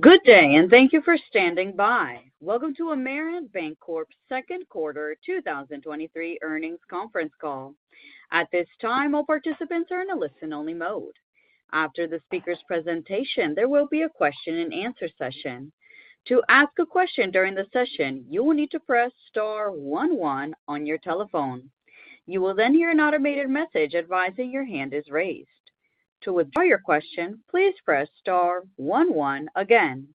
Good day. Thank you for standing by. Welcome to Amerant Bancorp's second quarter 2023 earnings conference call. At this time, all participants are in a listen-only mode. After the speaker's presentation, there will be a question-and-answer session. To ask a question during the session, you will need to press star one one on your telephone. You will hear an automated message advising your hand is raised. To withdraw your question, please press star one one again.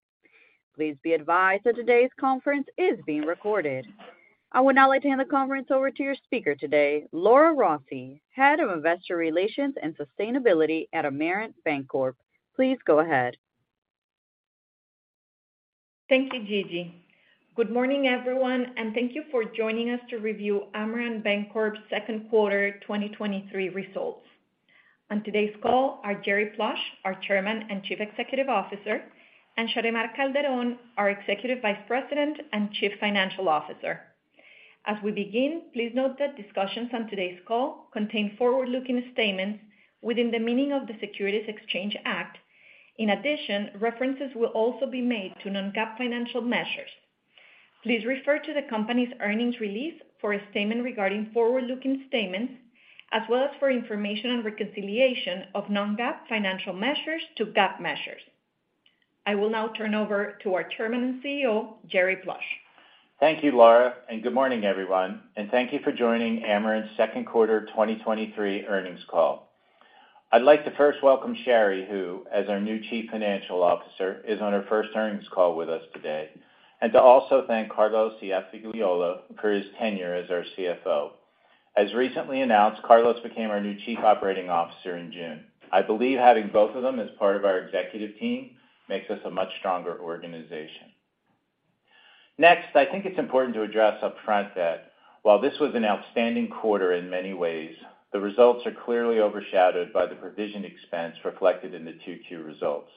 Please be advised that today's conference is being recorded. I would now like to hand the conference over to your speaker today, Laura Rossi, Head of Investor Relations and Sustainability at Amerant Bancorp. Please go ahead. Thank you, Gigi. Good morning, everyone, and thank you for joining us to review Amerant Bancorp's second quarter 2023 results. On today's call are Jerry Plush, our Chairman and Chief Executive Officer, and Sharymar Calderón, our Executive Vice President and Chief Financial Officer. As we begin, please note that discussions on today's call contain forward-looking statements within the meaning of the Securities Exchange Act. In addition, references will also be made to non-GAAP financial measures. Please refer to the company's earnings release for a statement regarding forward-looking statements, as well as for information and reconciliation of non-GAAP financial measures to GAAP measures. I will now turn over to our Chairman and CEO, Jerry Plush. Thank you, Laura, and good morning, everyone, and thank you for joining Amerant's 2Q 2023 earnings call. I'd like to first welcome Shary, who, as our new Chief Financial Officer, is on her first earnings call with us today, and to also thank Carlos Iafigliola for his tenure as our CFO. As recently announced, Carlos became our new Chief Operating Officer in June. I believe having both of them as part of our executive team makes us a much stronger organization. Next, I think it's important to address upfront that while this was an outstanding quarter in many ways, the results are clearly overshadowed by the provision expense reflected in the 2Q results.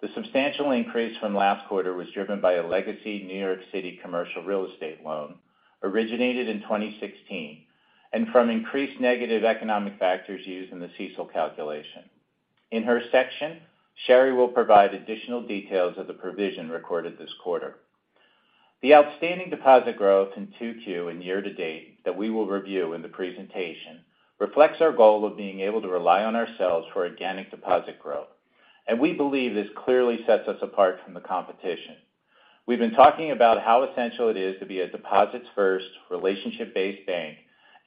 The substantial increase from last quarter was driven by a legacy New York City commercial real estate loan originated in 2016 and from increased negative economic factors used in the CECL calculation. In her section, Shary will provide additional details of the provision recorded this quarter. The outstanding deposit growth in 2Q and year-to-date that we will review in the presentation reflects our goal of being able to rely on ourselves for organic deposit growth. We believe this clearly sets us apart from the competition. We've been talking about how essential it is to be a deposits-first, relationship-based bank.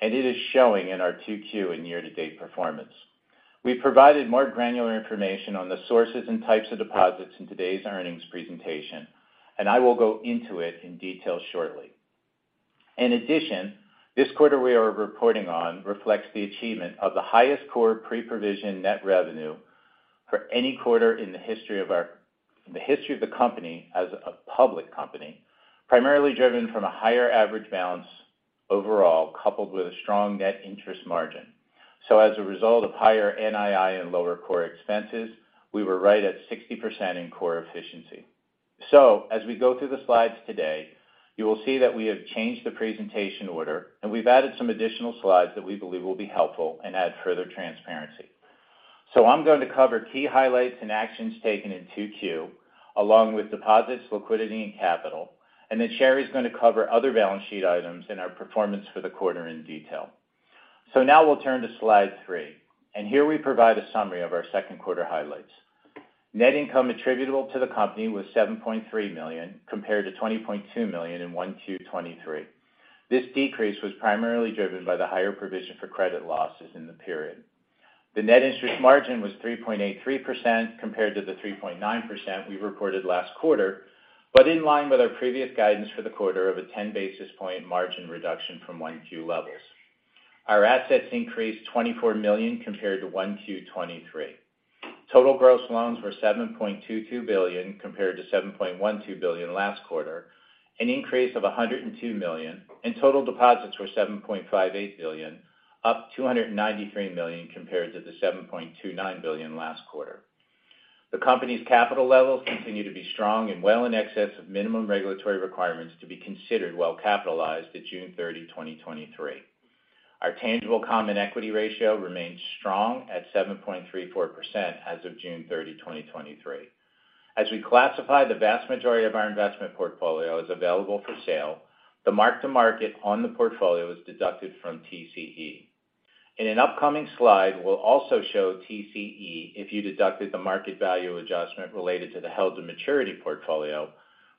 It is showing in our 2Q and year-to-date performance. We provided more granular information on the sources and types of deposits in today's earnings presentation. I will go into it in detail shortly. In addition, this quarter we are reporting on reflects the achievement of the highest core pre-provision net revenue for any quarter in the history of the company as a public company, primarily driven from a higher average balance overall, coupled with a strong net interest margin. As a result of higher NII and lower core expenses, we were right at 60% in core efficiency. As we go through the slides today, you will see that we have changed the presentation order, and we've added some additional slides that we believe will be helpful and add further transparency. I'm going to cover key highlights and actions taken in 2Q, along with deposits, liquidity and capital, and then Shary is going to cover other balance sheet items and our performance for the quarter in detail. Now we'll turn to slide three, and here we provide a summary of our second quarter highlights. Net income attributable to the company was $7.3 million, compared to $20.2 million in 1Q 2023. This decrease was primarily driven by the higher provision for credit losses in the period. The net interest margin was 3.83%, compared to the 3.9% we reported last quarter, but in line with our previous guidance for the quarter of a 10 basis point margin reduction from 1Q levels. Our assets increased $24 million compared to 1Q 2023. Total gross loans were $7.22 billion, compared to $7.12 billion last quarter, an increase of $102 million, and total deposits were $7.58 billion, up $293 million, compared to the $7.29 billion last quarter. The company's capital levels continue to be strong and well in excess of minimum regulatory requirements to be considered well capitalized at June 30, 2023. Our tangible common equity ratio remains strong at 7.34% as of June 30, 2023. As we classify, the vast majority of our investment portfolio is available for sale. The mark to market on the portfolio is deducted from TCE. In an upcoming slide, we'll also show TCE if you deducted the market value adjustment related to the held to maturity portfolio,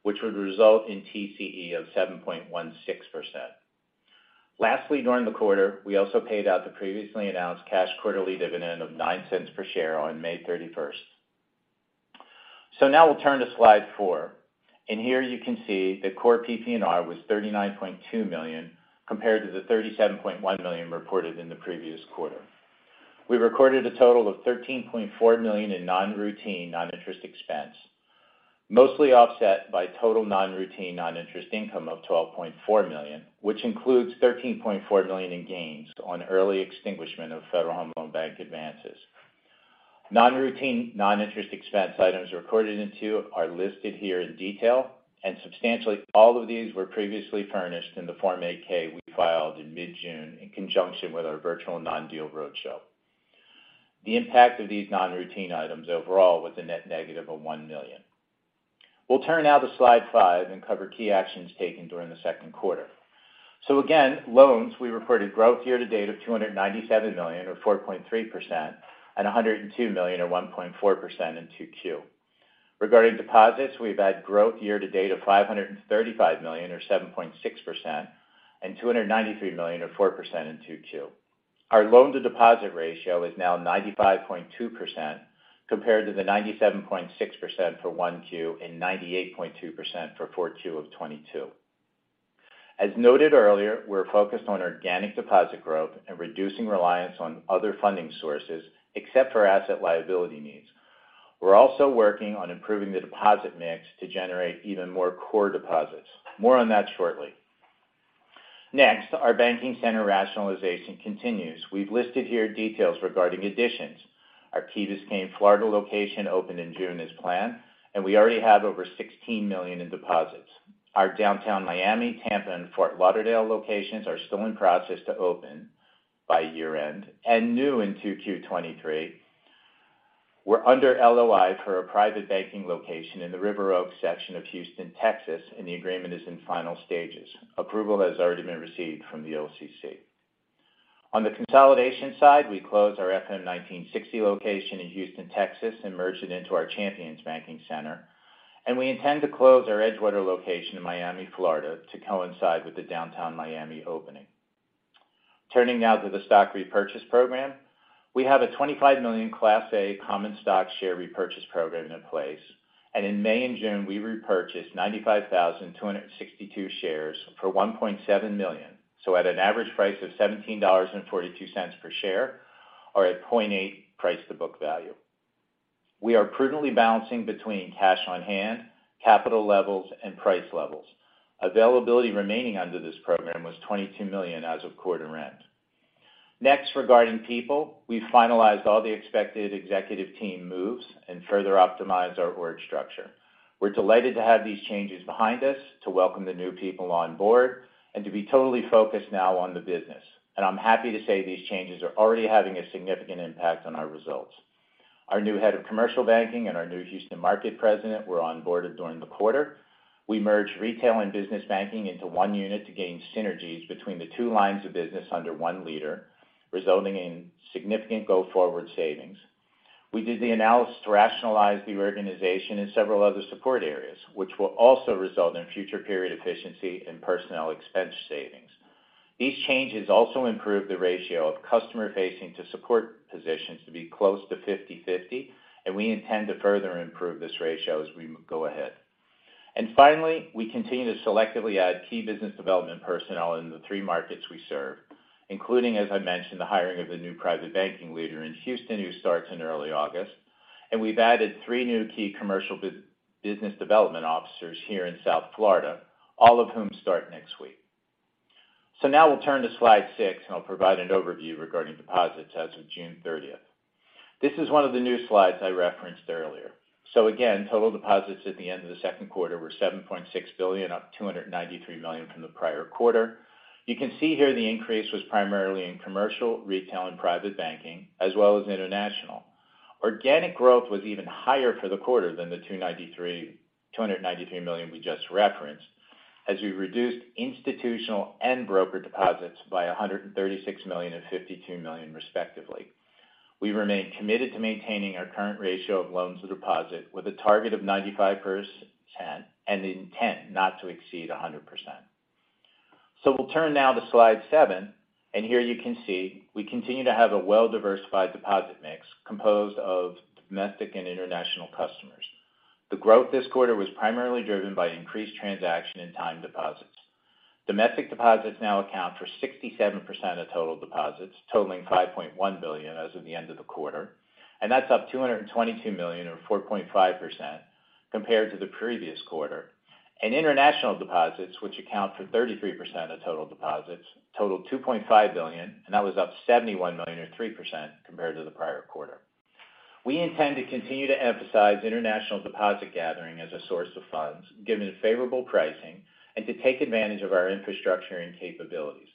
which would result in TCE of 7.16%. Lastly, during the quarter, we also paid out the previously announced cash quarterly dividend of $0.09 per share on May 31st. Now we'll turn to slide four. Here you can see the core PPNR was $39.2 million, compared to the $37.1 million reported in the previous quarter. We recorded a total of $13.4 million in non-routine non-interest expense, mostly offset by total non-routine non-interest income of $12.4 million, which includes $13.4 million in gains on early extinguishment of Federal Home Loan Bank advances. Non-routine, non-interest expense items recorded in two are listed here in detail, substantially all of these were previously furnished in the Form 8-K we filed in mid-June in conjunction with our virtual non-deal roadshow. The impact of these non-routine items overall was a net negative of $1 million. We'll turn now to slide five and cover key actions taken during the second quarter. Again, loans, we reported growth year-to-date of $297 million, or 4.3%, and $102 million, or 1.4% in 2Q. Regarding deposits, we've had growth year-to-date of $535 million, or 7.6%, and $293 million, or 4% in 2Q. Our loan-to-deposit ratio is now 95.2%, compared to the 97.6% for 1Q and 98.2% for 4Q of 2022. As noted earlier, we're focused on organic deposit growth and reducing reliance on other funding sources, except for asset liability needs. We're also working on improving the deposit mix to generate even more core deposits. More on that shortly. Next, our banking center rationalization continues. We've listed here details regarding additions. Our Key Biscayne, Florida, location opened in June as planned, and we already have over $16 million in deposits. Our downtown Miami, Tampa, and Fort Lauderdale locations are still in process to open by year-end. New in 2Q 2023, we're under LOI for a private banking location in the River Oaks section of Houston, Texas, and the agreement is in final stages. Approval has already been received from the OCC. On the consolidation side, we closed our FM 1960 location in Houston, Texas, and merged it into our Champions Banking Center, and we intend to close our Edgewater location in Miami, Florida, to coincide with the Downtown Miami opening. Turning now to the stock repurchase program. We have a $25 million Class A common stock share repurchase program in place, and in May and June, we repurchased 95,262 shares for $1.7 million, so at an average price of $17.42 per share, or at 0.8 price to book value. We are prudently balancing between cash on hand, capital levels, and price levels. Availability remaining under this program was $22 million as of quarter end. Next, regarding people. We finalized all the expected executive team moves and further optimized our org structure. We're delighted to have these changes behind us, to welcome the new people on board, and to be totally focused now on the business. I'm happy to say these changes are already having a significant impact on our results. Our new head of commercial banking and our new Houston market president were onboarded during the quarter. We merged retail and business banking into one unit to gain synergies between the two lines of business under one leader, resulting in significant go-forward savings. We did the analysis to rationalize the organization in several other support areas, which will also result in future period efficiency and personnel expense savings. These changes also improved the ratio of customer-facing to support positions to be close to 50/50, and we intend to further improve this ratio as we go ahead. Finally, we continue to selectively add key business development personnel in the three markets we serve, including, as I mentioned, the hiring of a new private banking leader in Houston, who starts in early August. We've added three new key commercial business development officers here in South Florida, all of whom start next week. Now we'll turn to slide six, and I'll provide an overview regarding deposits as of June 30th. This is one of the new slides I referenced earlier. Again, total deposits at the end of the second quarter were $7.6 billion, up $293 million from the prior quarter. You can see here the increase was primarily in commercial, retail, and private banking, as well as international. Organic growth was even higher for the quarter than the $293 million we just referenced, as we reduced institutional and broker deposits by $136 million and $52 million, respectively. We remain committed to maintaining our current ratio of loans to deposits with a target of 95% and the intent not to exceed 100%. We'll turn now to slide seven, and here you can see we continue to have a well-diversified deposit mix composed of domestic and international customers. The growth this quarter was primarily driven by increased transaction in time deposits. Domestic deposits now account for 67% of total deposits, totaling $5.1 billion as of the end of the quarter, and that's up $222 million, or 4.5%, compared to the previous quarter. International deposits, which account for 33% of total deposits, totaled $2.5 billion, and that was up $71 million, or 3%, compared to the prior quarter. We intend to continue to emphasize international deposit gathering as a source of funds, given favorable pricing, and to take advantage of our infrastructure and capabilities.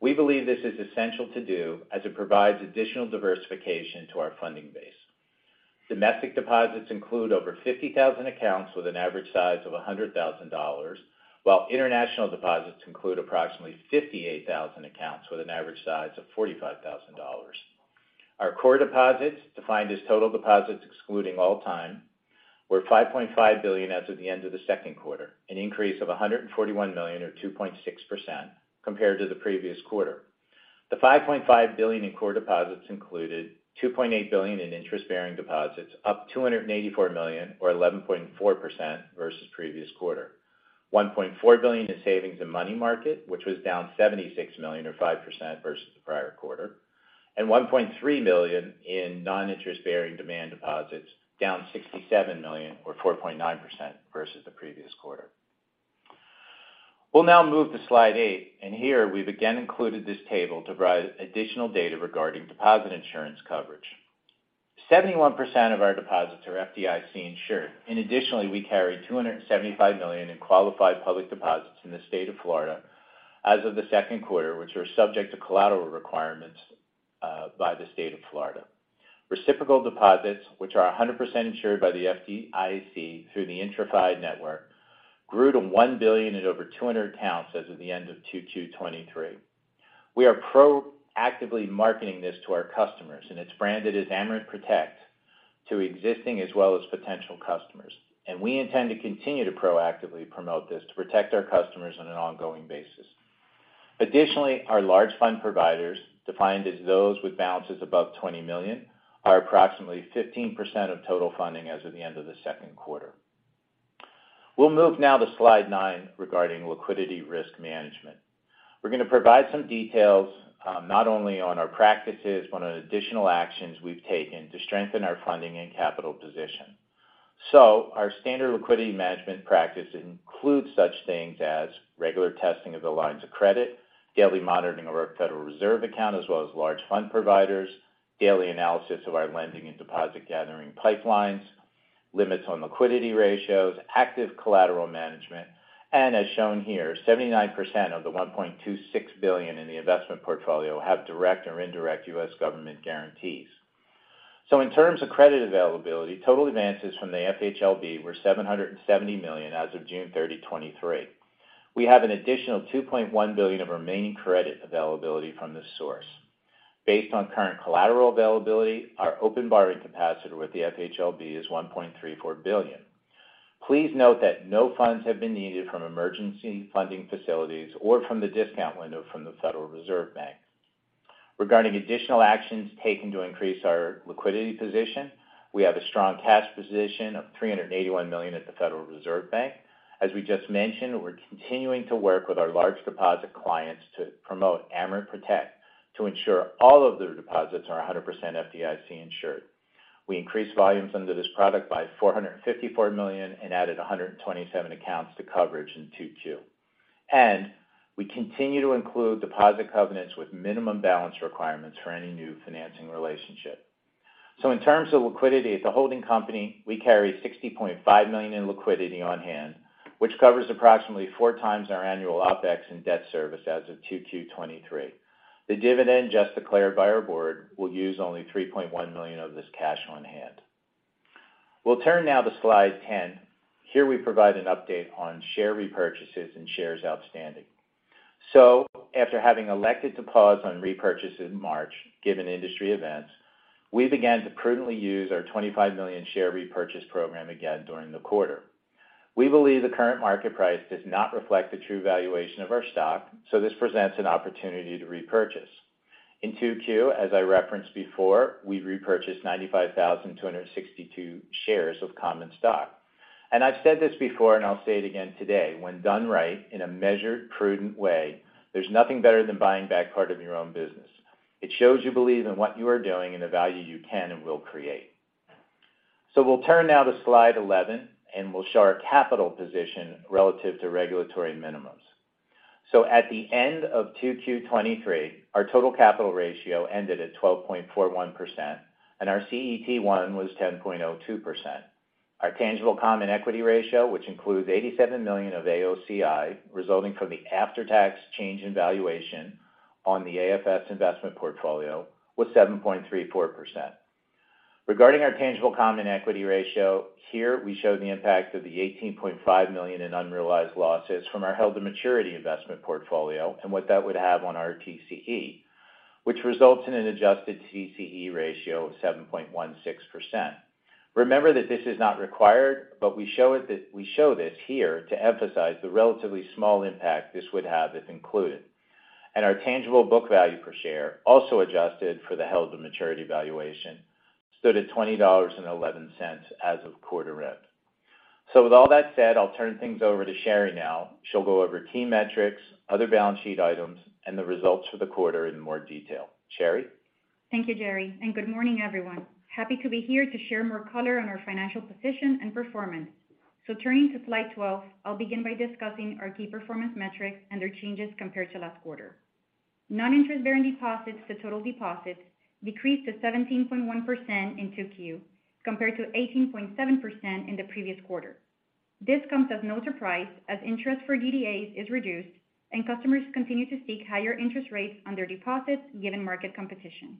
We believe this is essential to do as it provides additional diversification to our funding base. Domestic deposits include over 50,000 accounts with an average size of $100,000, while international deposits include approximately 58,000 accounts with an average size of $45,000. Our core deposits, defined as total deposits excluding all time, were $5.5 billion as of the end of the second quarter, an increase of $141 million, or 2.6%, compared to the previous quarter. The $5.5 billion in core deposits included $2.8 billion in interest-bearing deposits, up $284 million, or 11.4%, versus previous quarter. $1.4 billion in savings and money market, which was down $76 million, or 5%, versus the prior quarter. $1.3 million in non-interest-bearing demand deposits, down $67 million, or 4.9%, versus the previous quarter. We'll now move to slide eight, and here we've again included this table to provide additional data regarding deposit insurance coverage. 71% of our deposits are FDIC insured, and additionally, we carry $275 million in qualified public deposits in the state of Florida as of the second quarter, which are subject to collateral requirements by the state of Florida. Reciprocal deposits, which are 100% insured by the FDIC through the IntraFi network, grew to $1 billion in over 200 accounts as of the end of 2023. It's branded as Amerant Protect to existing as well as potential customers. We intend to continue to proactively promote this to protect our customers on an ongoing basis. Additionally, our large fund providers, defined as those with balances above $20 million, are approximately 15% of total funding as of the end of the second quarter. We'll move now to slide nine regarding liquidity risk management. We're going to provide some details, not only on our practices, but on additional actions we've taken to strengthen our funding and capital position. Our standard liquidity management practice includes such things as regular testing of the lines of credit, daily monitoring of our Federal Reserve account, as well as large fund providers, daily analysis of our lending and deposit gathering pipelines, limits on liquidity ratios, active collateral management, and as shown here, 79% of the $1.26 billion in the investment portfolio have direct or indirect U.S. government guarantees. total advances from the FHLB were $770 million as of June 30, 2023. We have an additional $2.1 billion of remaining credit availability from this source. Based on current collateral availability, our open borrowing capacity with the FHLB is $1.34 billion. Please note that no funds have been needed from emergency funding facilities or from the discount window from the Federal Reserve Bank. Regarding additional actions taken to increase our liquidity position, we have a strong cash position of $381 million at the Federal Reserve Bank. As we just mentioned, we're continuing to work with our large deposit clients to promote Amerant Protect to ensure all of their deposits are 100% FDIC insured. We increased volumes under this product by $454 million and added 127 accounts to coverage in 2Q. We continue to include deposit covenants with minimum balance requirements for any new financing relationship. In terms of liquidity, as a holding company, we carry $60.5 million in liquidity on hand, which covers approximately 4x our annual OpEx and debt service as of 2/2/2023. The dividend just declared by our board will use only $3.1 million of this cash on hand. We'll turn now to slide 10. Here we provide an update on share repurchases and shares outstanding. After having elected to pause on repurchase in March, given industry events, we began to prudently use our $25 million share repurchase program again during the quarter. We believe the current market price does not reflect the true valuation of our stock, so this presents an opportunity to repurchase. In 2Q, as I referenced before, we repurchased 95,262 shares of common stock. I've said this before and I'll say it again today: when done right, in a measured, prudent way, there's nothing better than buying back part of your own business. It shows you believe in what you are doing and the value you can and will create. We'll turn now to slide 11, and we'll show our capital position relative to regulatory minimums. At the end of 2Q 2023, our total capital ratio ended at 12.41%, and our CET1 was 10.02%. Our tangible common equity ratio, which includes $87 million of AOCI, resulting from the after-tax change in valuation on the AFS investment portfolio, was 7.34%. Regarding our tangible common equity ratio, here we show the impact of the $18.5 million in unrealized losses from our held-to-maturity investment portfolio and what that would have on our TCE, which results in an Adjusted TCE ratio of 7.16%. Remember that this is not required, but we show this here to emphasize the relatively small impact this would have if included. Our tangible book value per share, also adjusted for the held-to-maturity valuation, stood at $20.11 as of quarter-end. With all that said, I'll turn things over to Shary now. She'll go over key metrics, other balance sheet items, and the results for the quarter in more detail. Shary? Thank you, Jerry, and good morning, everyone. Happy to be here to share more color on our financial position and performance. Turning to slide 12, I'll begin by discussing our key performance metrics and their changes compared to last quarter. Non-interest-bearing deposits to total deposits decreased to 17.1% in 2Q, compared to 18.7% in the previous quarter. This comes as no surprise, as interest for DDAs is reduced and customers continue to seek higher interest rates on their deposits, given market competition.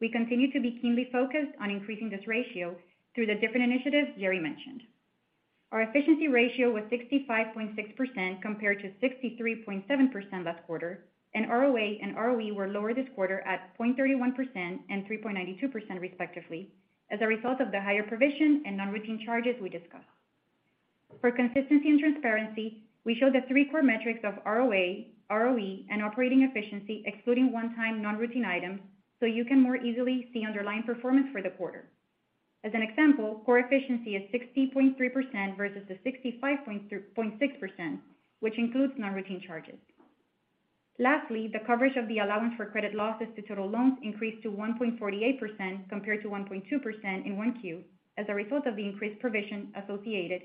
We continue to be keenly focused on increasing this ratio through the different initiatives Jerry mentioned. Our efficiency ratio was 65.6%, compared to 63.7% last quarter. ROA and ROE were lower this quarter at 0.31% and 3.92%, respectively, as a result of the higher provision and non-routine charges we discussed. For consistency and transparency, we show the three core metrics of ROA, ROE, and operating efficiency, excluding one-time non-routine items, so you can more easily see underlying performance for the quarter. As an example, core efficiency is 60.3% versus the 65.6%, which includes non-routine charges. Lastly, the coverage of the allowance for credit losses to total loans increased to 1.48%, compared to 1.2% in 1Q, as a result of the increased provision associated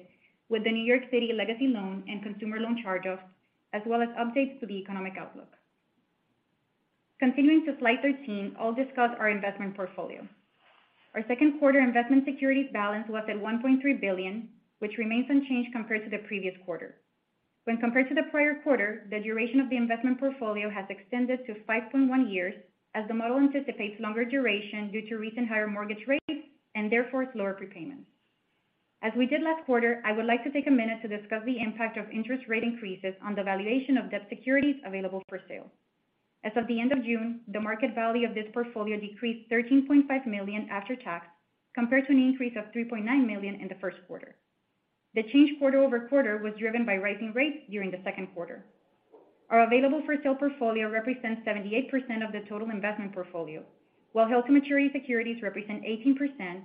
with the New York City legacy loan and consumer loan charge-offs, as well as updates to the economic outlook. Continuing to slide 13, I'll discuss our investment portfolio. Our second quarter investment securities balance was at $1.3 billion, which remains unchanged compared to the previous quarter. When compared to the prior quarter, the duration of the investment portfolio has extended to five point one years, as the model anticipates longer duration due to recent higher mortgage rates and therefore lower prepayments. As we did last quarter, I would like to take a minute to discuss the impact of interest rate increases on the valuation of debt securities available for sale. As of the end of June, the market value of this portfolio decreased $13.5 million after tax, compared to an increase of $3.9 million in the first quarter. The change quarter-over-quarter was driven by rising rates during the second quarter. Our available-for-sale portfolio represents 78% of the total investment portfolio, while held-to-maturity securities represent 18%,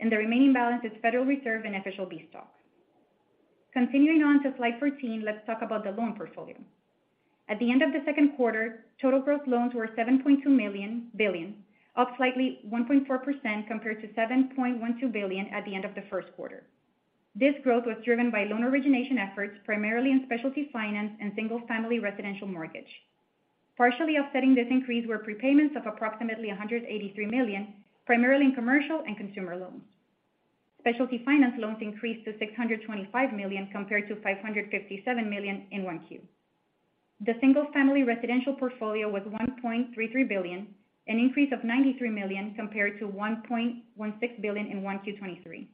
and the remaining balance is Federal Reserve and official B stock. Continuing on to slide 14, let's talk about the loan portfolio. At the end of the second quarter, total gross loans were $7.2 billion, up slightly 1.4% compared to $7.12 billion at the end of the first quarter. This growth was driven by loan origination efforts, primarily in specialty finance and single-family residential mortgage. Partially offsetting this increase were prepayments of approximately $183 million, primarily in commercial and consumer loans. Specialty finance loans increased to $625 million, compared to $557 million in 1Q. The single-family residential portfolio was $1.33 billion, an increase of $93 million compared to $1.16 billion in 1Q23.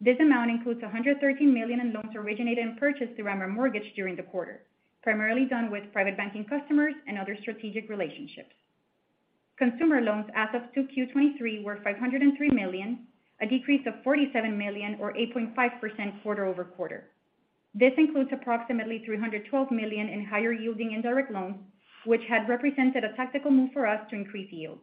This amount includes $113 million in loans originated and purchased through Amerant Mortgage during the quarter, primarily with private banking customers and other strategic relationships. Consumer loans as of 2Q23 were $503 million, a decrease of $47 million or 8.5% quarter-over-quarter. This includes approximately $312 million in higher-yielding indirect loans, which had represented a tactical move for us to increase yields.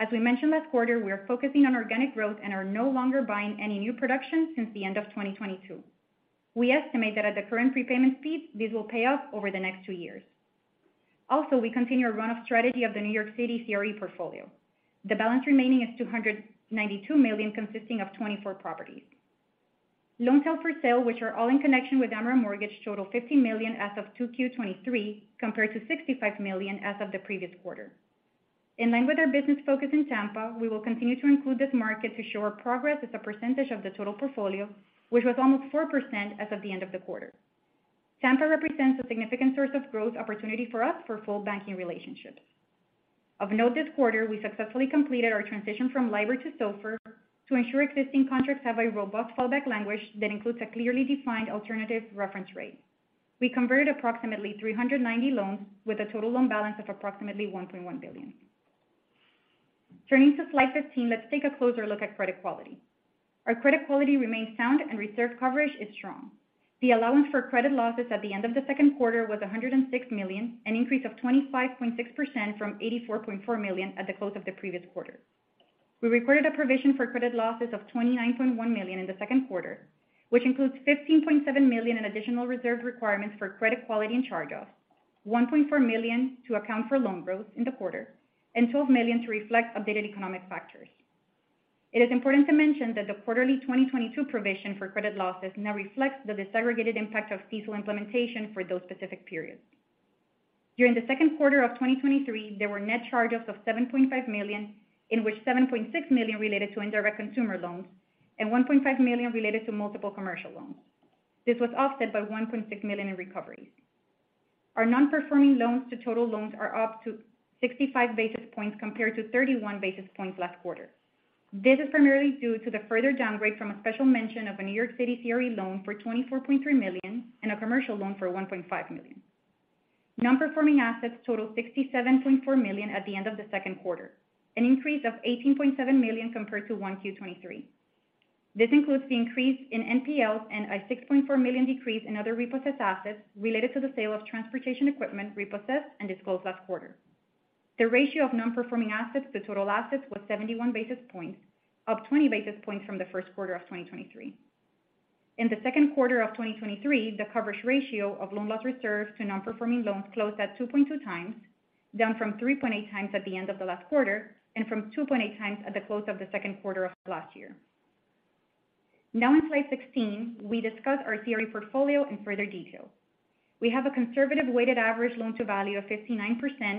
As we mentioned last quarter, we are focusing on organic growth and are no longer buying any new production since the end of 2022. We estimate that at the current prepayment speeds, this will pay off over the next two years. Also, we continue our run-off strategy of the New York City CRE portfolio. The balance remaining is $292 million, consisting of 24 properties. Loans held for sale, which are all in connection with Amerant Mortgage, total $50 million as of 2Q23, compared to $65 million as of the previous quarter. In line with our business focus in Tampa, we will continue to include this market to show our progress as a percentage of the total portfolio, which was almost 4% as of the end of the quarter. Tampa represents a significant source of growth opportunity for us for full banking relationships. Of note, this quarter, we successfully completed our transition from LIBOR to SOFR to ensure existing contracts have a robust fallback language that includes a clearly defined alternative reference rate. We converted approximately 390 loans with a total loan balance of approximately $1.1 billion. Turning to slide 15, let's take a closer look at credit quality. Our credit quality remains sound and reserve coverage is strong. The allowance for credit losses at the end of the second quarter was $106 million, an increase of 25.6% from $84.4 million at the close of the previous quarter. We recorded a provision for credit losses of $29.1 million in the second quarter, which includes $15.7 million in additional reserve requirements for credit quality and charge-offs, $1.4 million to account for loan growth in the quarter, and $12 million to reflect updated economic factors. It is important to mention that the quarterly 2022 provision for credit losses now reflects the disaggregated impact of CECL implementation for those specific periods. During the second quarter of 2023, there were net charges of $7.5 million, in which $7.6 million related to indirect consumer loans and $1.5 million related to multiple commercial loans. This was offset by $1.6 million in recoveries. Our non-performing loans to total loans are up to 65 basis points, compared to 31 basis points last quarter. This is primarily due to the further downgrade from a special mention of a New York City CRE loan for $24.3 million and a commercial loan for $1.5 million. Non-performing assets total $67.4 million at the end of the second quarter, an increase of $18.7 million compared to 1Q 2023. This includes the increase in NPLs and a $6.4 million decrease in other repossessed assets related to the sale of transportation equipment repossessed and disclosed last quarter. The ratio of non-performing assets to total assets was 71 basis points, up 20 basis points from the first quarter of 2023. In the second quarter of 2023, the coverage ratio of loan loss reserves to non-performing loans closed at 2.2x, down from 3.8x at the end of the last quarter and from 2.8x at the close of the second quarter of last year. In slide 16, we discuss our CRE portfolio in further detail. We have a conservative weighted average loan-to-value of 59%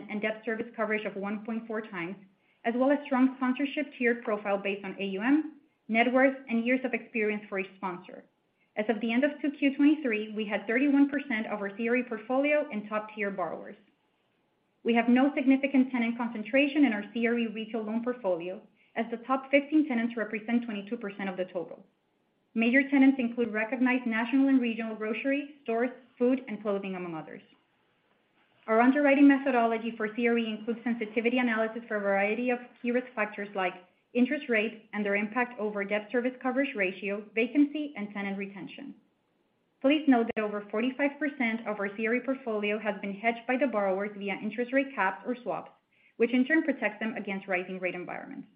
and debt service coverage of 1.4x, as well as a strong sponsorship tier profile based on AUM, net worth, and years of experience for a sponsor. As of the end of 2Q-2023, we had 31% of our CRE portfolio in top-tier borrowers. We have no significant tenant concentration in our CRE retail loan portfolio, as the top 15 tenants represent 22% of the total. Major tenants include recognized national and regional grocery stores, food, and clothing, among others. Our underwriting methodology for CRE includes sensitivity analysis for a variety of key risk factors like interest rates and their impact over debt service coverage ratio, vacancy, and tenant retention. Please note that over 45% of our CRE portfolio has been hedged by the borrowers via interest rate caps or swaps, which in turn protects them against rising rate environments.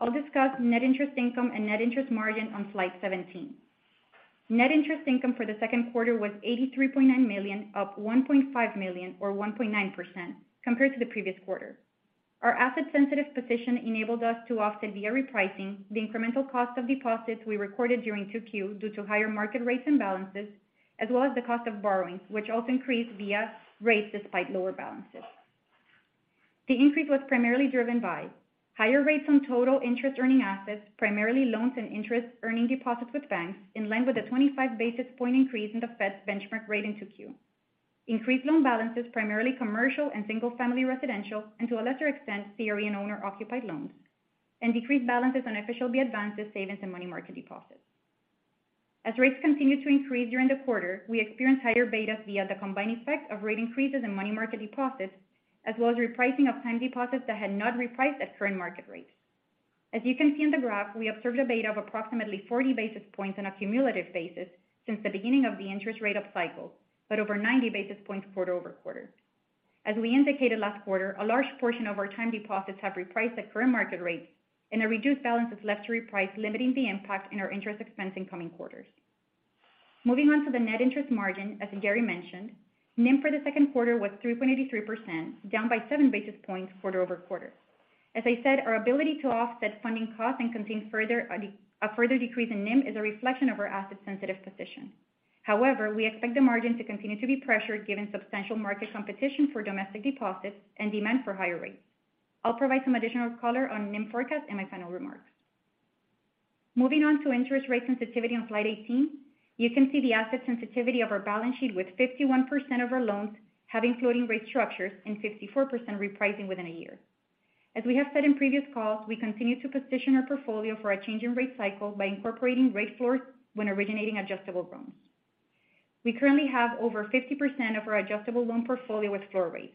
I'll discuss net interest income and net interest margin on slide 17. Net interest income for the second quarter was $83.9 million, up $1.5 million or 1.9% compared to the previous quarter.... Our asset sensitive position enabled us to offset the repricing, the incremental cost of deposits we recorded during 2Q due to higher market rates and balances, as well as the cost of borrowing, which also increased via rates despite lower balances. The increase was primarily driven by higher rates on total interest-earning assets, primarily loans and interest-earning deposits with banks, in line with a 25 basis point increase in the Fed's benchmark rate in 2Q. Increased loan balances, primarily commercial and single-family residential, and to a lesser extent, CRE and owner-occupied loans, and decreased balances on FHLB advances, savings, and money market deposits. As rates continued to increase during the quarter, we experienced higher betas via the combined effect of rate increases and money market deposits, as well as repricing of time deposits that had not repriced at current market rates. As you can see in the graph, we observed a beta of approximately 40 basis points on a cumulative basis since the beginning of the interest rate up cycle, but over 90 basis points quarter-over-quarter. As we indicated last quarter, a large portion of our time deposits have repriced at current market rates and a reduced balance is left to reprice, limiting the impact in our interest expense in coming quarters. Moving on to the net interest margin, as Jerry mentioned, NIM for the second quarter was 3.83%, down by 7 basis points quarter-over-quarter. As I said, our ability to offset funding costs and contain a further decrease in NIM is a reflection of our asset-sensitive position. We expect the margin to continue to be pressured, given substantial market competition for domestic deposits and demand for higher rates. I'll provide some additional color on NIM forecast in my final remarks. Moving on to interest rate sensitivity on slide 18. You can see the asset sensitivity of our balance sheet, with 51% of our loans having floating rate structures and 54% repricing within a year. As we have said in previous calls, we continue to position our portfolio for a change in rate cycle by incorporating rate floors when originating adjustable loans. We currently have over 50% of our adjustable loan portfolio with floor rates.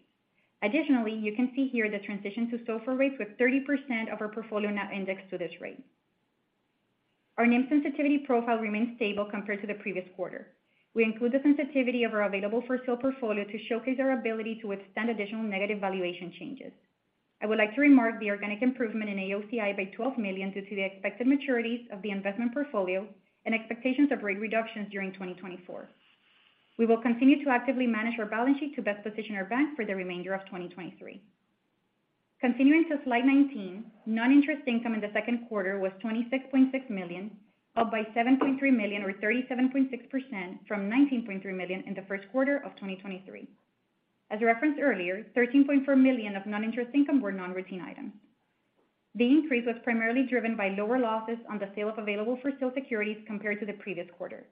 Additionally, you can see here the transition to SOFR rates, with 30% of our portfolio now indexed to this rate. Our NIM sensitivity profile remains stable compared to the previous quarter. We include the sensitivity of our available-for-sale portfolio to showcase our ability to withstand additional negative valuation changes. I would like to remark the organic improvement in AOCI by $12 million due to the expected maturities of the investment portfolio and expectations of rate reductions during 2024. We will continue to actively manage our balance sheet to best position our bank for the remainder of 2023. Continuing to slide 19. Non-interest income in the second quarter was $26.6 million, up by $7.3 million, or 37.6% from $19.3 million in the first quarter of 2023. As referenced earlier, $13.4 million of non-interest income were non-routine items. The increase was primarily driven by lower losses on the sale of available-for-sale securities compared to the previous quarter.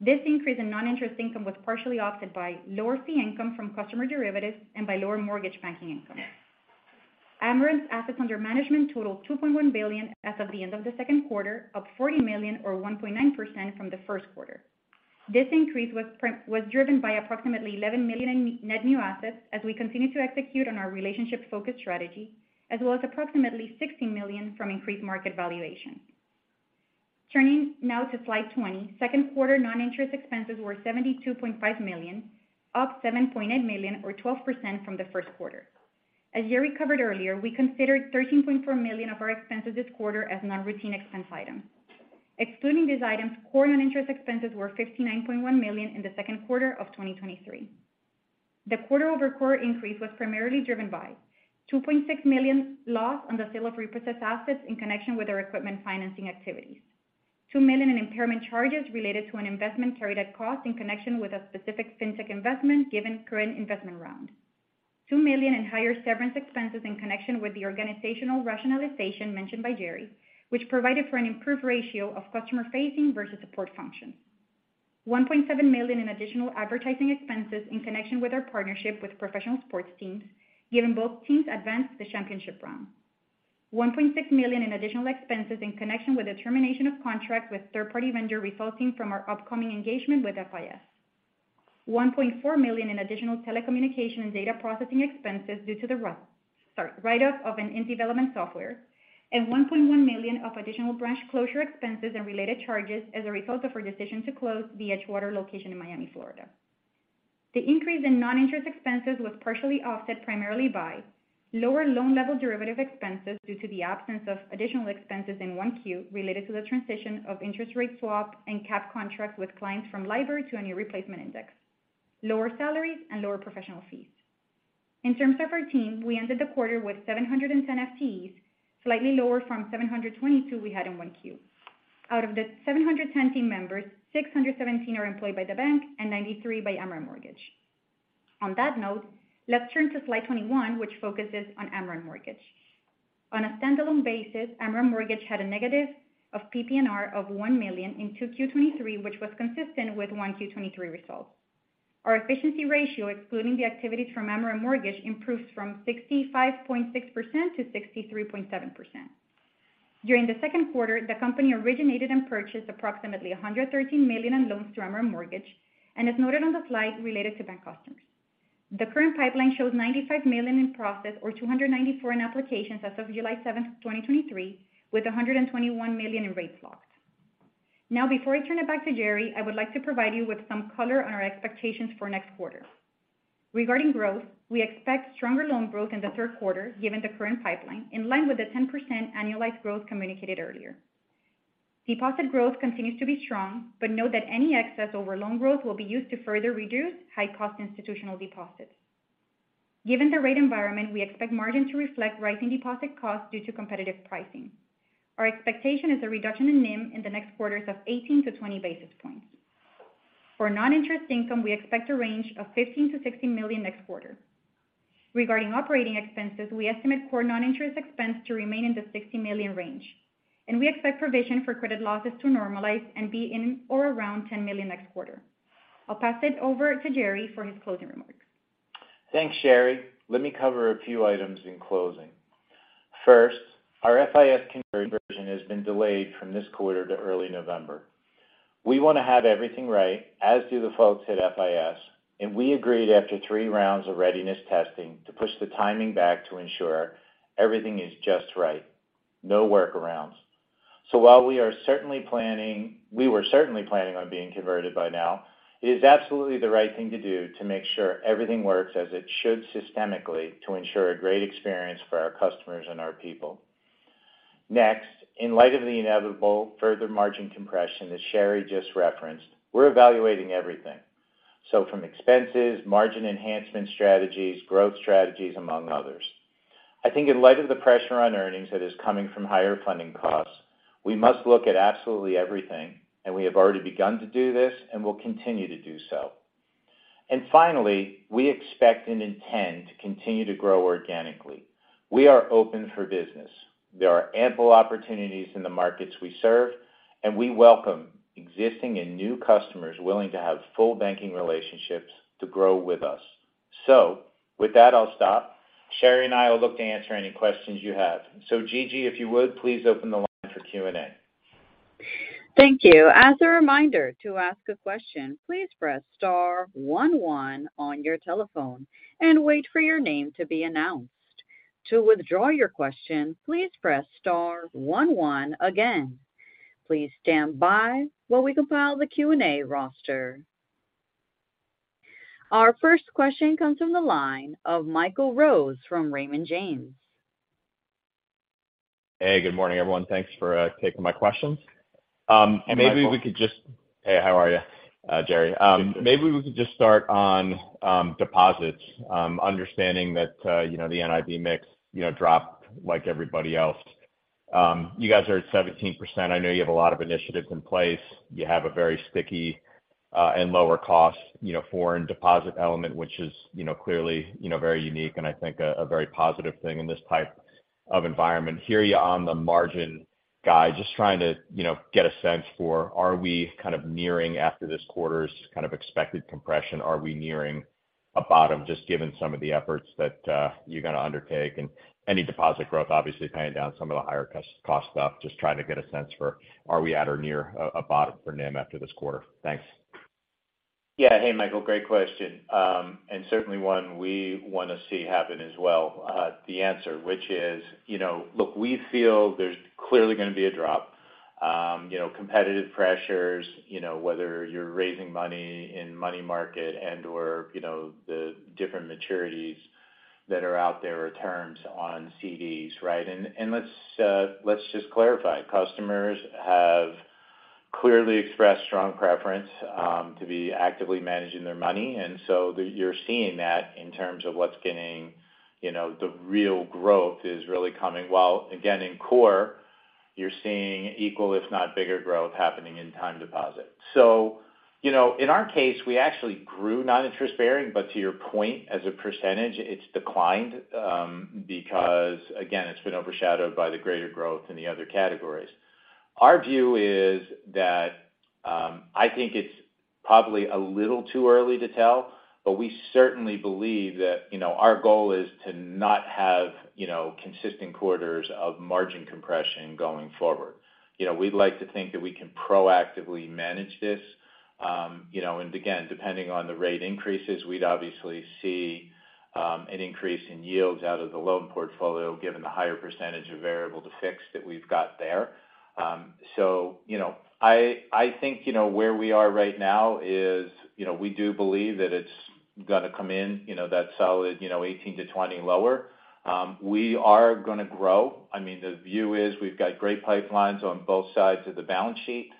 This increase in non-interest income was partially offset by lower fee income from customer derivatives and by lower mortgage banking income. Amerant's assets under management totaled $2.1 billion as of the end of the second quarter, up $40 million or 1.9% from the first quarter. This increase was driven by approximately $11 million in net new assets as we continue to execute on our relationship-focused strategy, as well as approximately $60 million from increased market valuation. Turning now to slide 20. Second quarter non-interest expenses were $72.5 million, up $7.8 million or 12% from the first quarter. As Jerry covered earlier, we considered $13.4 million of our expenses this quarter as non-routine expense items. Excluding these items, core non-interest expenses were $59.1 million in the second quarter of 2023. The quarter-over-quarter increase was primarily driven by $2.6 million loss on the sale of repossessed assets in connection with our equipment financing activities. $2 million in impairment charges related to an investment carried at cost in connection with a specific fintech investment given current investment round. $2 million in higher severance expenses in connection with the organizational rationalization mentioned by Jerry, which provided for an improved ratio of customer-facing versus support functions. $1.7 million in additional advertising expenses in connection with our partnership with professional sports teams, given both teams advanced to the championship round. $1.6 million in additional expenses in connection with the termination of contract with third-party vendor, resulting from our upcoming engagement with FIS. $1.4 million in additional telecommunication and data processing expenses due to the write-off of an in-development software. $1.1 million of additional branch closure expenses and related charges as a result of our decision to close the Edgewater location in Miami, Florida. The increase in non-interest expenses was partially offset primarily by lower loan-level derivative expenses, due to the absence of additional expenses in 1Q related to the transition of interest rate swap and cap contracts with clients from LIBOR to a new replacement index, lower salaries and lower professional fees. In terms of our team, we ended the quarter with 710 FTEs, slightly lower from 722 we had in 1Q. Out of the 710 team members, 617 are employed by the bank and 93 by Amerant Mortgage. On that note, let's turn to slide 21, which focuses on Amerant Mortgage. On a standalone basis, Amerant Mortgage had a negative PPNR of $1 million in 2Q 2023, which was consistent with 1Q 2023 results. Our efficiency ratio, excluding the activities from Amerant Mortgage, improved from 65.6% to 63.7%. During the second quarter, the company originated and purchased approximately $113 million in loans through Amerant Mortgage, and as noted on the slide, related to bank customers. The current pipeline shows $95 million in process, or 294 in applications as of July 7, 2023, with $121 million in rates locked. Before I turn it back to Jerry, I would like to provide you with some color on our expectations for next quarter. Regarding growth, we expect stronger loan growth in the third quarter, given the current pipeline, in line with the 10% annualized growth communicated earlier.... Deposit growth continues to be strong. Note that any excess over loan growth will be used to further reduce high-cost institutional deposits. Given the rate environment, we expect margin to reflect rising deposit costs due to competitive pricing. Our expectation is a reduction in NIM in the next quarters of 18-20 basis points. For non-interest income, we expect a range of $15 million-$16 million next quarter. Regarding operating expenses, we estimate core non-interest expense to remain in the $60 million range, and we expect provision for credit losses to normalize and be in or around $10 million next quarter. I'll pass it over to Jerry for his closing remarks. Thanks, Shary. Let me cover a few items in closing. First, our FIS conversion has been delayed from this quarter to early November. We want to have everything right, as do the folks at FIS, and we agreed after three rounds of readiness testing to push the timing back to ensure everything is just right. No workarounds. While we were certainly planning on being converted by now, it is absolutely the right thing to do to make sure everything works as it should systemically, to ensure a great experience for our customers and our people. Next, in light of the inevitable further margin compression that Shary just referenced, we're evaluating everything. From expenses, margin enhancement strategies, growth strategies, among others. I think in light of the pressure on earnings that is coming from higher funding costs, we must look at absolutely everything, and we have already begun to do this and will continue to do so. Finally, we expect and intend to continue to grow organically. We are open for business. There are ample opportunities in the markets we serve, and we welcome existing and new customers willing to have full banking relationships to grow with us. With that, I'll stop. Shary and I will look to answer any questions you have. Gigi, if you would, please open the line for Q&A. Thank you. As a reminder, to ask a question, please press star one one on your telephone and wait for your name to be announced. To withdraw your question, please press star one one again. Please stand by while we compile the Q&A roster. Our first question comes from the line of Michael Rose from Raymond James. Hey, good morning, everyone. Thanks for taking my questions. Hey, Michael. Hey, how are you, Jerry? Maybe we could just start on deposits. Understanding that, you know, the NIB mix, you know, dropped like everybody else. You guys are at 17%. I know you have a lot of initiatives in place. You have a very sticky, and lower cost, you know, foreign deposit element, which is, you know, clearly, you know, very unique and I think a very positive thing in this type of environment. Hear you on the margin guide, just trying to, you know, get a sense for, are we kind of nearing after this quarter's kind of expected compression, are we nearing a bottom, just given some of the efforts that you're going to undertake. Any deposit growth, obviously paying down some of the higher cost stuff, just trying to get a sense for, are we at or near a bottom for NIM after this quarter? Thanks. Yeah. Hey, Michael, great question. Certainly one we want to see happen as well. The answer, which is, you know, look, we feel there's clearly going to be a drop. You know, competitive pressures, you know, whether you're raising money in money market and or, you know, the different maturities that are out there or terms on CDs, right? Let's just clarify. Customers have clearly expressed strong preference to be actively managing their money, you're seeing that in terms of what's getting, you know, the real growth is really coming. While, again, in core, you're seeing equal, if not bigger, growth happening in time deposit. You know, in our case, we actually grew non-interest bearing, but to your point, as a %, it's declined, because, again, it's been overshadowed by the greater growth in the other categories. Our view is that, I think it's probably a little too early to tell, but we certainly believe that, you know, our goal is to not have, you know, consistent quarters of margin compression going forward. We'd like to think that we can proactively manage this. You know, and again, depending on the rate increases, we'd obviously see an increase in yields out of the loan portfolio, given the higher % of variable to fixed that we've got there. You know, I think you know, where we are right now is, you know, we do believe that it's going to come in, you know, that solid, you know, 18-20 lower. We are gonna grow. I mean, the view is we've got great pipelines on both sides of the balance sheet.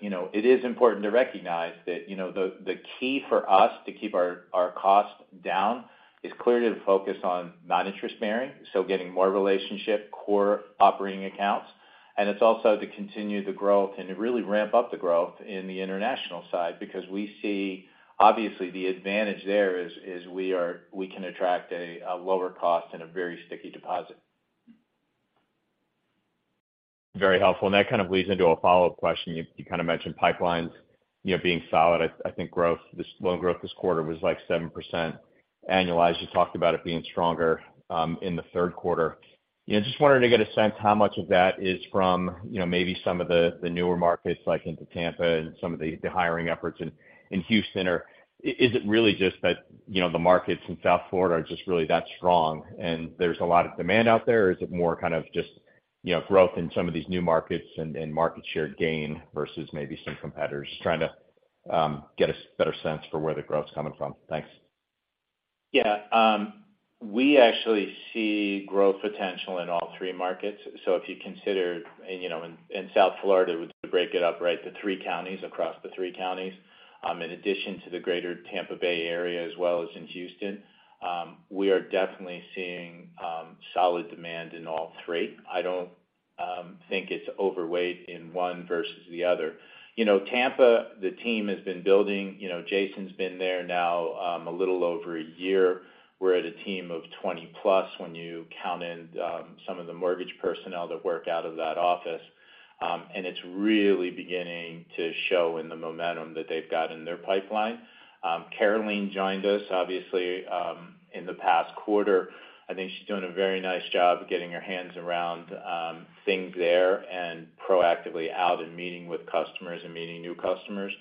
You know, it is important to recognize that, you know, the key for us to keep our costs down is clearly to focus on non-interest bearing, so getting more relationship, core operating accounts. It's also to continue the growth and to really ramp up the growth in the international side, because we see obviously the advantage there is, we can attract a lower cost and a very sticky deposit. Very helpful, and that kind of leads into a follow-up question. You kind of mentioned pipelines, you know, being solid. I think loan growth this quarter was, like, 7% annualized. You talked about it being stronger in the third quarter. You know, just wanted to get a sense how much of that is from, you know, maybe some of the newer markets, like into Tampa and some of the hiring efforts in Houston. Or is it really just that, you know, the markets in South Florida are just really that strong, and there's a lot of demand out there? Or is it more kind of just, you know, growth in some of these new markets and market share gain versus maybe some competitors? Trying to get a better sense for where the growth is coming from. Thanks. Yeah, we actually see growth potential in all three markets. If you consider, you know, in South Florida, we break it up, right, the three counties across the three counties, in addition to the greater Tampa Bay area, as well as in Houston. We are definitely seeing solid demand in all three. I don't think it's overweight in one versus the other. You know, Tampa, the team has been building. You know, Jason's been there now, a little over a year. We're at a team of 20 plus when you count in some of the mortgage personnel that work out of that office. It's really beginning to show in the momentum that they've got in their pipeline. Caroline joined us, obviously, in the past quarter. I think she's doing a very nice job of getting her hands around things there and proactively out and meeting with customers and meeting new customers.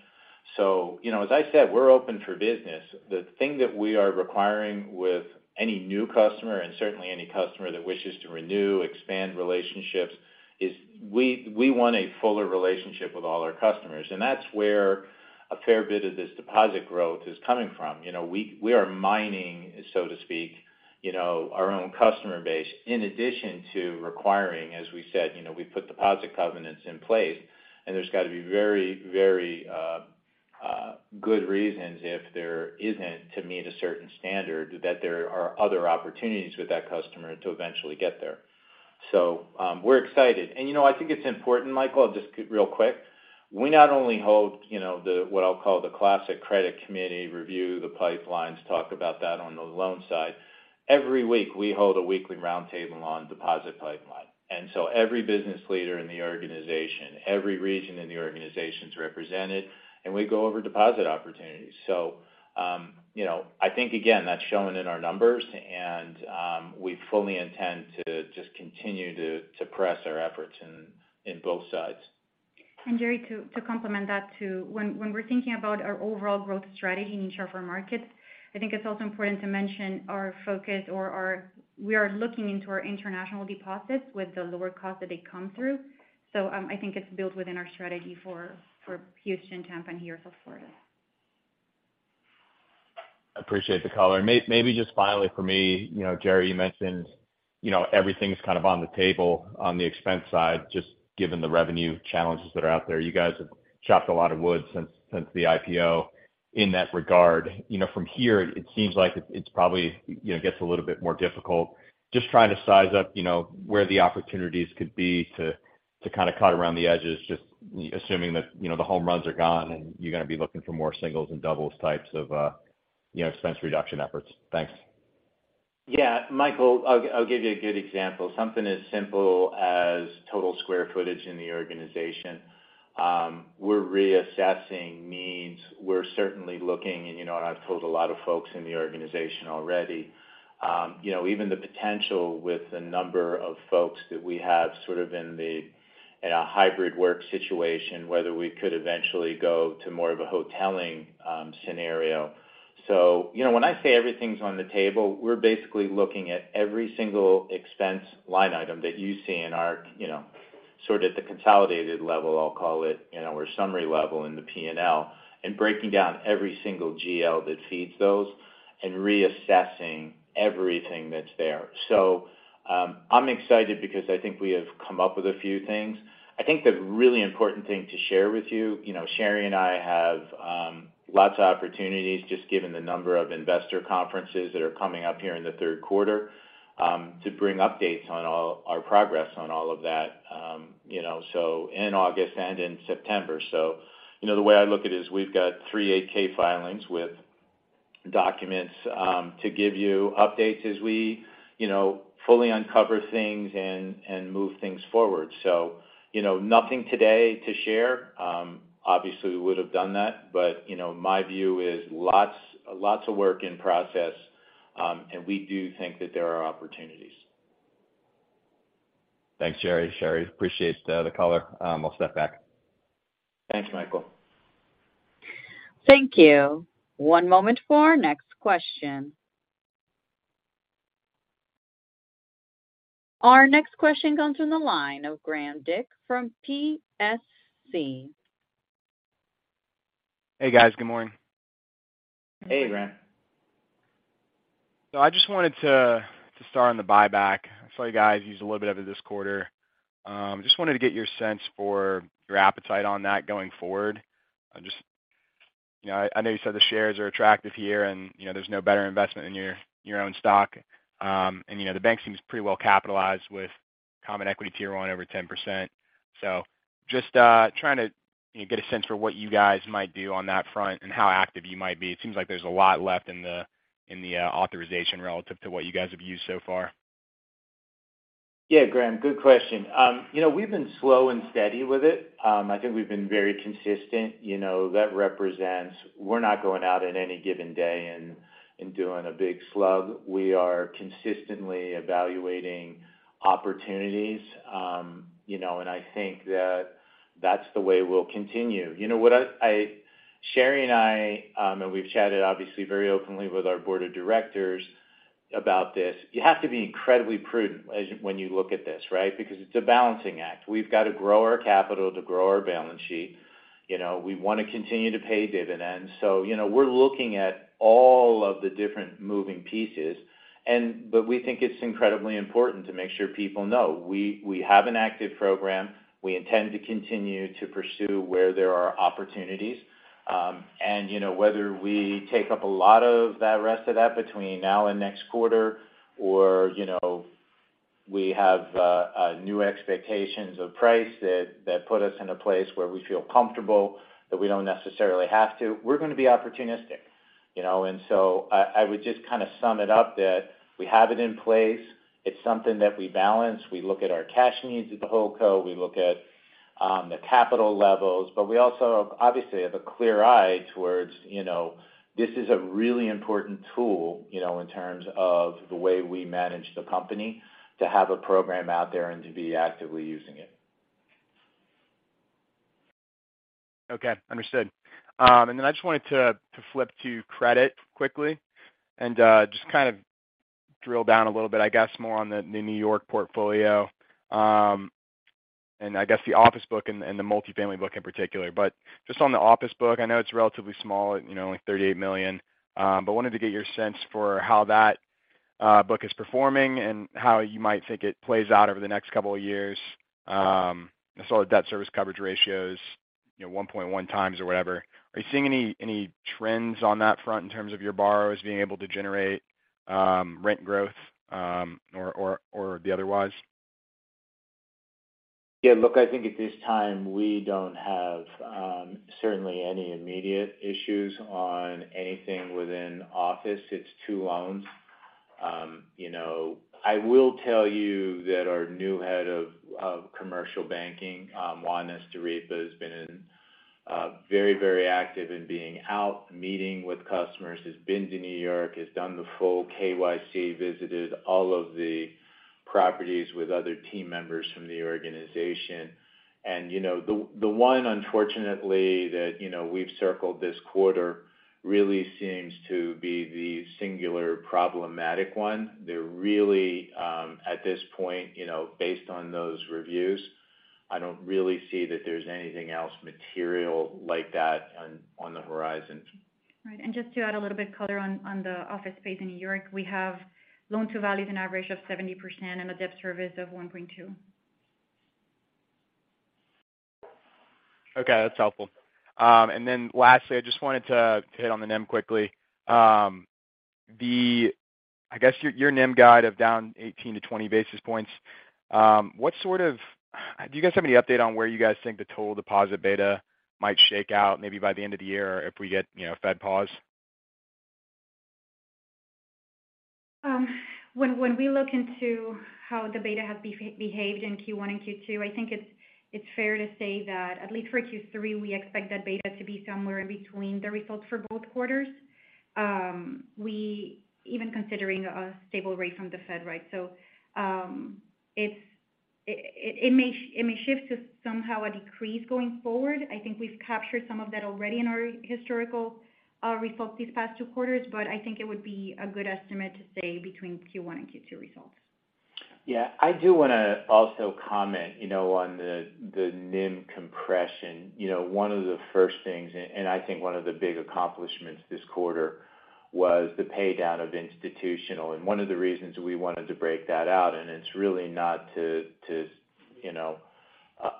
You know, as I said, we're open for business. The thing that we require with any new customer, and certainly any customer that wishes to renew or expand relationships, is that we want a fuller relationship with all our customers. That's where a fair bit of this deposit growth is coming from. You know, we are mining, so to speak, you know, our own customer base, in addition to requiring, as we said, you know, we put deposit covenants in place, and there's got to be very, very good reasons if there isn't to meet a certain standard, that there are other opportunities with that customer to eventually get there. We're excited. You know, I think it's important, Michael, just real quick. We not only hold, you know, what I'll call the classic credit committee review, the pipelines, talk about that on the loan side. Every week, we hold a weekly roundtable on the deposit pipeline. Every business leader in the organization, every region in the organization is represented, and we go over deposit opportunities. You know, I think, again, that's shown in our numbers, and we fully intend to just continue to press our efforts in both sides. Jerry, to complement that, too. When we're thinking about our overall growth strategy in each of our markets, I think it's also important to mention our focus. We are looking into our international deposits with the lower cost that they come through. I think it's built within our strategy for Houston, Tampa, and here for Florida. Appreciate the color. maybe just finally for me, you know, Jerry, you mentioned, you know, everything's kind of on the table on the expense side, just given the revenue challenges that are out there. You guys have chopped a lot of wood since the IPO in that regard. You know, from here, it seems like it's probably, you know, gets a little bit more difficult. Just trying to size up, you know, where the opportunities could be to kind of cut around the edges, just assuming that, you know, the home runs are gone, and you're going to be looking for more singles and doubles types of, you know, expense reduction efforts. Thanks. Yeah, Michael, I'll give you a good example. Something as simple as total square footage in the organization. We're reassessing needs. We're certainly looking, and, you know, and I've told a lot of folks in the organization already, you know, even the potential with the number of folks that we have sort of in the, in a hybrid work situation, whether we could eventually go to more of a hoteling scenario. You know, when I say everything's on the table, we're basically looking at every single expense line item that you see in our, you know, sort of the consolidated level, I'll call it, in our summary level in the P&L, and breaking down every single GL that feeds those and reassessing everything that's there. I'm excited because I think we have come up with a few things. I think the really important thing to share with you know, Shary and I have lots of opportunities just given the number of investor conferences that are coming up here in the third quarter to bring updates on all our progress on all of that, you know, so in August and in September. The way I look at it is we've got three 8-K filings with documents to give you updates as we, you know, fully uncover things and move things forward. You know, nothing today to share. Obviously, we would have done that, you know, my view is lots of work in process, and we do think that there are opportunities. Thanks, Jerry. Shary, appreciate the color. I'll step back. Thanks, Michael. Thank you. One moment for our next question. Our next question comes from the line of Graham from Piper Sandler & Co. Hey, guys. Good morning. Hey, Graham. I just wanted to start on the buyback. I saw you guys use a little bit of it this quarter. Just wanted to get your sense for your appetite on that going forward. You know, I know you said the shares are attractive here, and, you know, there's no better investment than your own stock. You know, the bank seems pretty well capitalized with common equity tier one over 10%. Just trying to, you know, get a sense for what you guys might do on that front and how active you might be. It seems like there's a lot left in the authorization relative to what you guys have used so far. Yeah, Graham, good question. You know, we've been slow and steady with it. I think we've been very consistent. You know, that represents we're not going out at any given day and doing a big slug. We are consistently evaluating opportunities. You know, I think that that's the way we'll continue. You know, Shary and I, we've chatted obviously very openly with our board of directors. About this, you have to be incredibly prudent when you look at this, right? It's a balancing act. We've got to grow our capital to grow our balance sheet. You know, we want to continue to pay dividends. You know, we're looking at all of the different moving pieces, but we think it's incredibly important to make sure people know, we have an active program. We intend to continue to pursue where there are opportunities. You know, whether we take up a lot of that rest of that between now and next quarter, or, you know, we have a new expectations of price that put us in a place where we feel comfortable, that we don't necessarily have to. We're going to be opportunistic, you know? So I would just kind of sum it up that we have it in place. It's something that we balance. We look at our cash needs of the whole co, we look at the capital levels, but we also obviously have a clear eye towards, you know, this is a really important tool, you know, in terms of the way we manage the company, to have a program out there and to be actively using it. Okay, understood. Then I just wanted to flip to credit quickly and just kind of drill down a little bit, I guess, more on the New York portfolio. I guess, the office book and the multifamily book in particular. Just on the office book, I know it's relatively small, you know, only $38 million. Wanted to get your sense for how that book is performing and how you might think it plays out over the next couple of years. I saw the debt service coverage ratios, you know, 1.1x or whatever. Are you seeing any trends on that front in terms of your borrowers being able to generate rent growth, or otherwise? Yeah, look, I think at this time, we don't have certainly any immediate issues on anything within office. It's two loans. You know, I will tell you that our new Head of Commercial Banking, Juan Esterripa, has been very, very active in being out, meeting with customers. He's been to New York. He's done the full KYC, visited all of the properties with other team members from the organization. You know, the one unfortunately, that, you know, we've circled this quarter really seems to be the singular problematic one. They're really, at this point, you know, based on those reviews, I don't really see that there's anything else material like that on the horizon. Just to add a little bit of color on the office space in New York, we have loan to values an average of 70% and a debt service of one point two. Okay, that's helpful. Lastly, I just wanted to hit on the NIM quickly. I guess your NIM went down 18-20 basis points. Do you guys have any update on where you guys think the total deposit beta might shake out, maybe by the end of the year, if we get, you know, a Fed pause? When we look into how the beta has behaved in Q1 and Q2, I think it's fair to say that, at least for Q3, we expect that beta to be somewhere in between the results for both quarters. Even considering a stable rate from the Fed, right? It may, it may shift to somehow a decrease going forward. I think we've captured some of that already in our historical results these past two quarters, but I think it would be a good estimate to say between Q1 and Q2 results. Yeah. I do want to also comment, you know, on the NIM compression. One of the first things, and I think one of the big accomplishments this quarter, was the paydown of institutional. One of the reasons we wanted to break that out, and it's really not to, you know,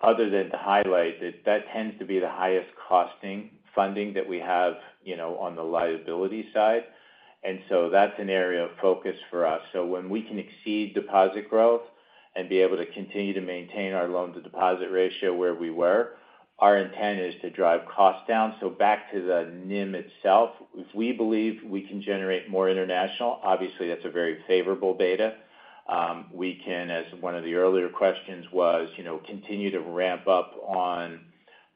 other than to highlight, that tends to be the highest costing funding that we have, you know, on the liability side. That's an area of focus for us. When we can exceed deposit growth and be able to continue to maintain our loan to deposit ratio where we were, our intent is to drive costs down. Back to the NIM itself, if we believe we can generate more international, obviously, that's a very favorable beta. We can, as one of the earlier questions was, you know, continue to ramp up on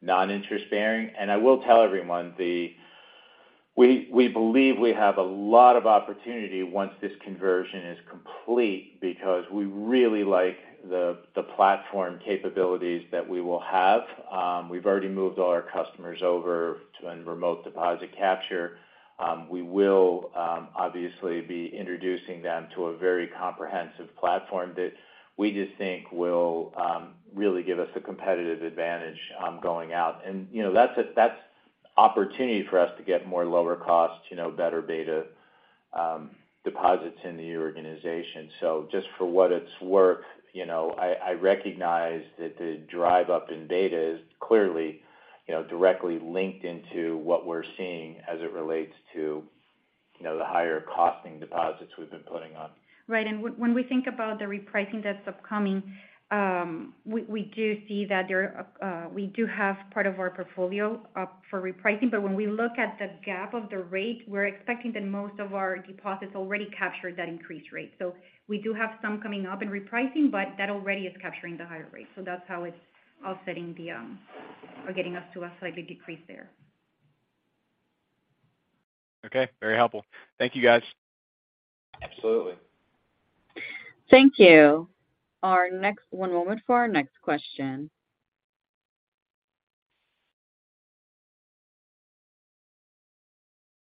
non-interest-bearing. I will tell everyone, we believe we have a lot of opportunity once this conversion is complete, because we really like the platform capabilities that we will have. We've already moved all our customers over to a remote deposit capture. We will, obviously, be introducing them to a very comprehensive platform that we just think will really give us a competitive advantage going out. You know, that's opportunity for us to get more lower cost, you know, better beta deposits in the organization. Just for what it's worth, you know, I recognize that the drive up in beta is clearly, you know, directly linked into what we're seeing as it relates to, you know, the higher costing deposits we've been putting on. Right. When we think about the repricing that's upcoming, we do see that there are, we do have part of our portfolio up for repricing, but when we look at the gap of the rate, we're expecting that most of our deposits already captured that increased rate. We do have some coming up in repricing, but that already is capturing the higher rate. That's how it's offsetting the, or getting us to a slightly decrease there. Okay. Very helpful. Thank you, guys. Absolutely. Thank you. One moment for our next question.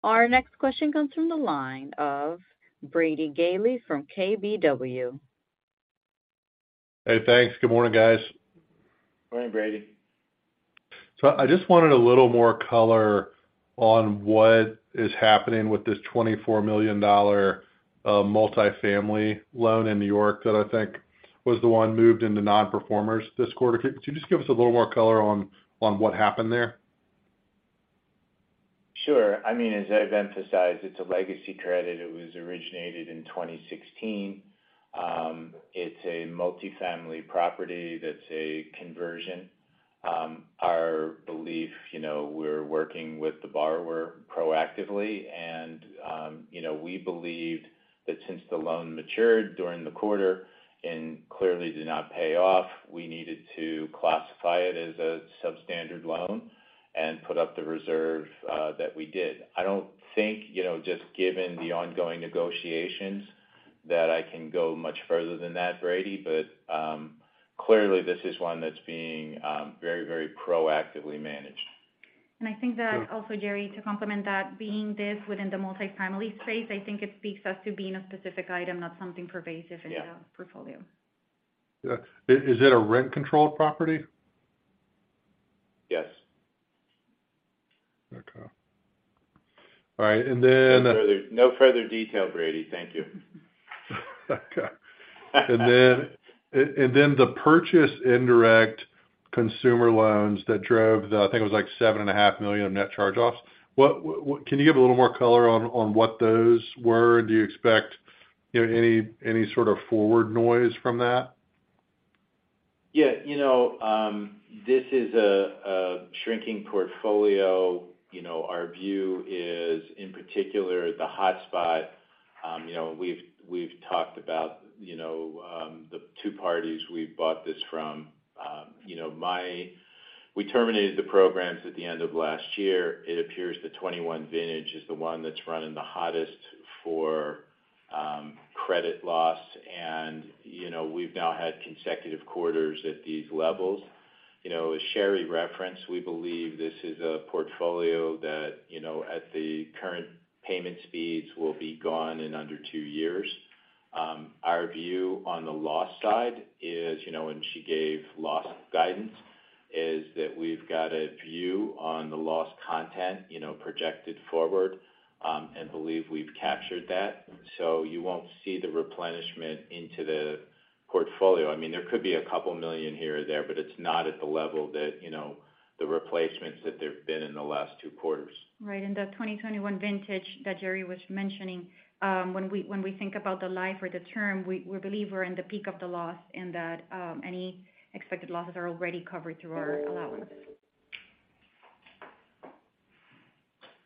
Our next question comes from the line of Brady Gailey from KBW. Hey, thanks. Good morning, guys. Morning, Brady. I just wanted a little more color on what is happening with this $24 million multifamily loan in New York that I think was the one moved into non-performers this quarter. Could you just give us a little more color on what happened there? Sure. I mean, as I've emphasized, it's a legacy credit. It was originated in 2016. It's a multifamily property that's a conversion. Our belief, you know, we're working with the borrower proactively and, you know, we believed that since the loan matured during the quarter and clearly did not pay off, we needed to classify it as a substandard loan and put up the reserve that we did. I don't think, you know, just given the ongoing negotiations, that I can go much further than that, Brady, but clearly, this is one that's being very, very proactively managed. I think that also, Jerry, to complement that, being this is within the multifamily space, I think it speaks us to being a specific item, not something pervasive. Yeah. in the portfolio. Yeah. Is it a rent-controlled property? Yes. Okay. All right, then. No further details, Brady. Thank you. Okay. The purchase of indirect consumer loans that drove the, I think it was like seven and a half million of net charge-offs. What can you give a little more color on what those were? Do you expect, you know, any sort of forward noise from that? You know, this is a shrinking portfolio. You know, our view is, in particular, the hotspot. You know, we've talked about, you know, the two parties we bought this from. You know, we terminated the programs at the end of last year. It appears the 2021 vintage is the one that's running the hottest for credit loss, and, you know, we've now had consecutive quarters at these levels. You know, as Shary referenced, we believe this is a portfolio that, you know, at the current payment speeds, will be gone in under two years. Our view on the loss side is, you know, when she gave loss guidance, is that we've got a view on the loss content, you know, projected forward, and believe we've captured that. You won't see the replenishment into the portfolio. I mean, there could be a couple of million here or there, but it's not at the level that, you know, the replacements that there've been in the last two quarters. Right. The 2021 vintage that Jerry was mentioning, when we think about the life or the term, we believe we're in the peak of the loss, and that any expected losses are already covered through our allowance.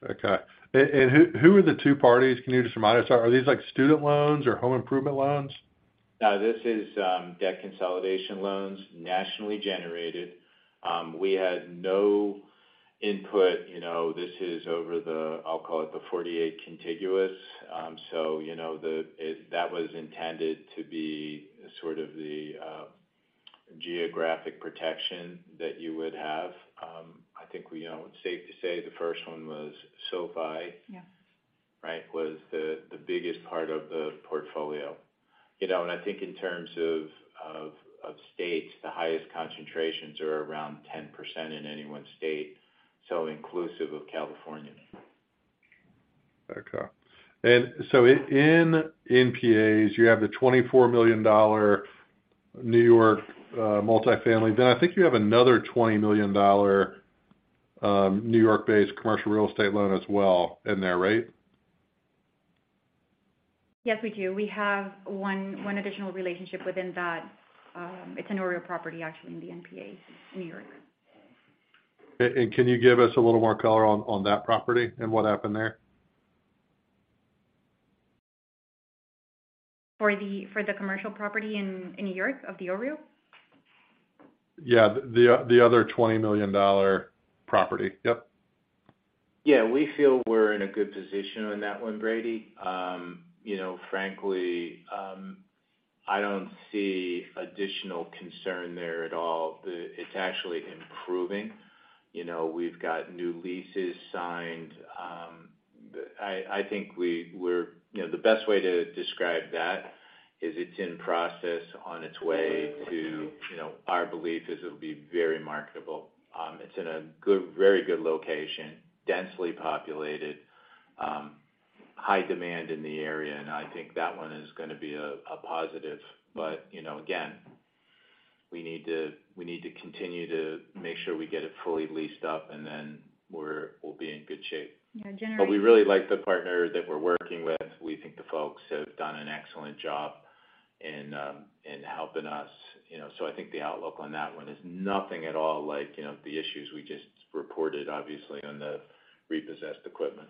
Okay. Who are the two parties? Can you just remind us? Are these like student loans or home improvement loans? This is debt consolidation loans, nationally generated. We had no input. You know, this is over the, I'll call it, the 48 contiguous. You know, the, that was intended to be sort of the geographic protection that you would have. I think, we know, it's safe to say the first one was SoFi. Yes. Right? Was the biggest part of the portfolio. You know, and I think in terms of, of states, the highest concentrations are around 10% in any one state, so inclusive of California. Okay. In NPAs, you have the $24 million New York multifamily. I think you have another $20 million New York-based commercial real estate loan as well in there, right? Yes, we do. We have one additional relationship within that. It's an OREO property, actually, in the NPAs in New York. Can you give us a little more color on that property and what happened there? For the commercial property in New York, of the OREO? Yeah. The other $20 million property. Yep. Yeah. We feel we're in a good position on that one, Brady. You know, frankly, I don't see additional concern there at all. It's actually improving. You know, we've got new leases signed. I think we're You know, the best way to describe that is it's in process on its way to. You know, our belief is it'll be very marketable. It's in a good, very good location, densely populated, high demand in the area, and I think that one is gonna be a positive. You know, again, we need to, we need to continue to make sure we get it fully leased up, and then we'll be in good shape. Yeah, generally- We really like the partner that we're working with. We think the folks have done an excellent job in helping us, you know, so I think the outlook on that one is nothing at all like, you know, the issues we just reported, obviously, on the repossessed equipment.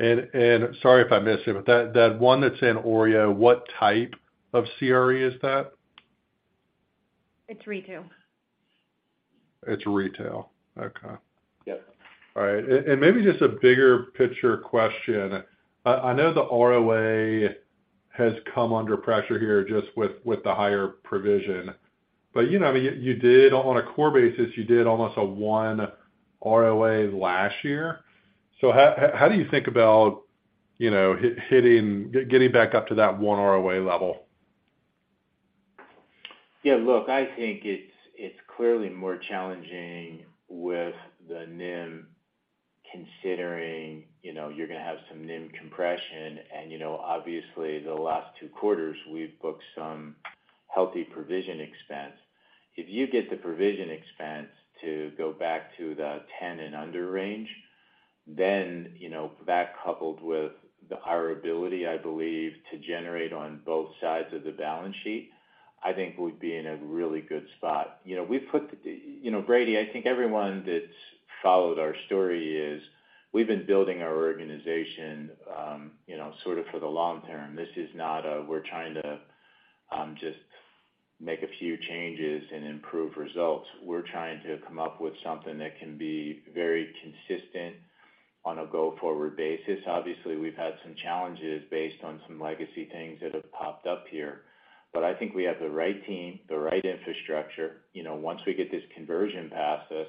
Sorry if I missed it, but that one that's in OREO, what type of CRE is that? It's retail. It's retail. Okay. Yep. All right. Maybe just a bigger picture question. I know the ROA has come under pressure here just with the higher provision. You know, I mean, you did on a core basis, you did almost a one ROA last year. How do you think about, you know, getting back up to that one ROA level? Yeah, look, I think it's clearly more challenging with the NIM, considering, you know, you're going to have some NIM compression. you know, obviously, the last two quarters, we've booked some healthy provision expense. If you get the provision expense to go back to the 10 and under range, you know, that coupled with the higher ability, I believe, to generate on both sides of the balance sheet, I think we'd be in a really good spot. You know, we've you know, Brady, I think everyone that's followed our story is we've been building our organization, you know, sort of for the long term. This is not a we're trying to, just make a few changes and improve results. We're trying to come up with something that can be very consistent on a go-forward basis. Obviously, we've had some challenges based on some legacy things that have popped up here, but I think we have the right team, the right infrastructure. You know, once we get this conversion past us,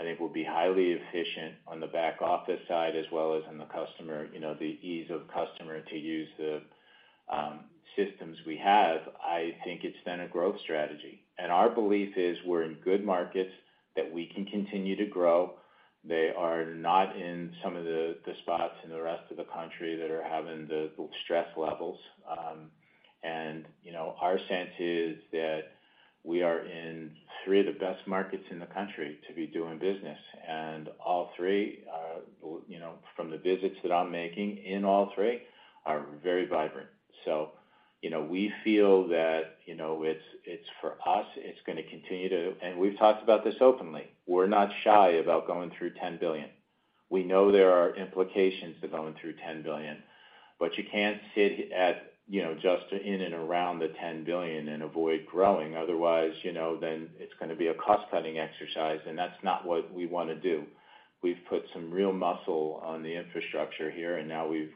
I think we'll be highly efficient on the back office side as well as in the customer, you know, the ease of customer to use the systems we have. I think it's then a growth strategy. Our belief is we're in good markets that we can continue to grow. They are not in some of the spots in the rest of the country that are having the stress levels. You know, our sense is that we are in three of the best markets in the country to be doing business, and all three, you know, from the visits that I'm making in all three, are very vibrant. You know, we feel that, you know, it's for us, it's going to continue to. We've talked about this openly. We're not shy about going through $10 billion. We know there are implications to going through $10 billion. You can't sit at, you know, just in and around the $10 billion and avoid growing. Otherwise, you know, it's going to be a cost-cutting exercise, and that's not what we want to do. We've put some real muscle on the infrastructure here. Now we've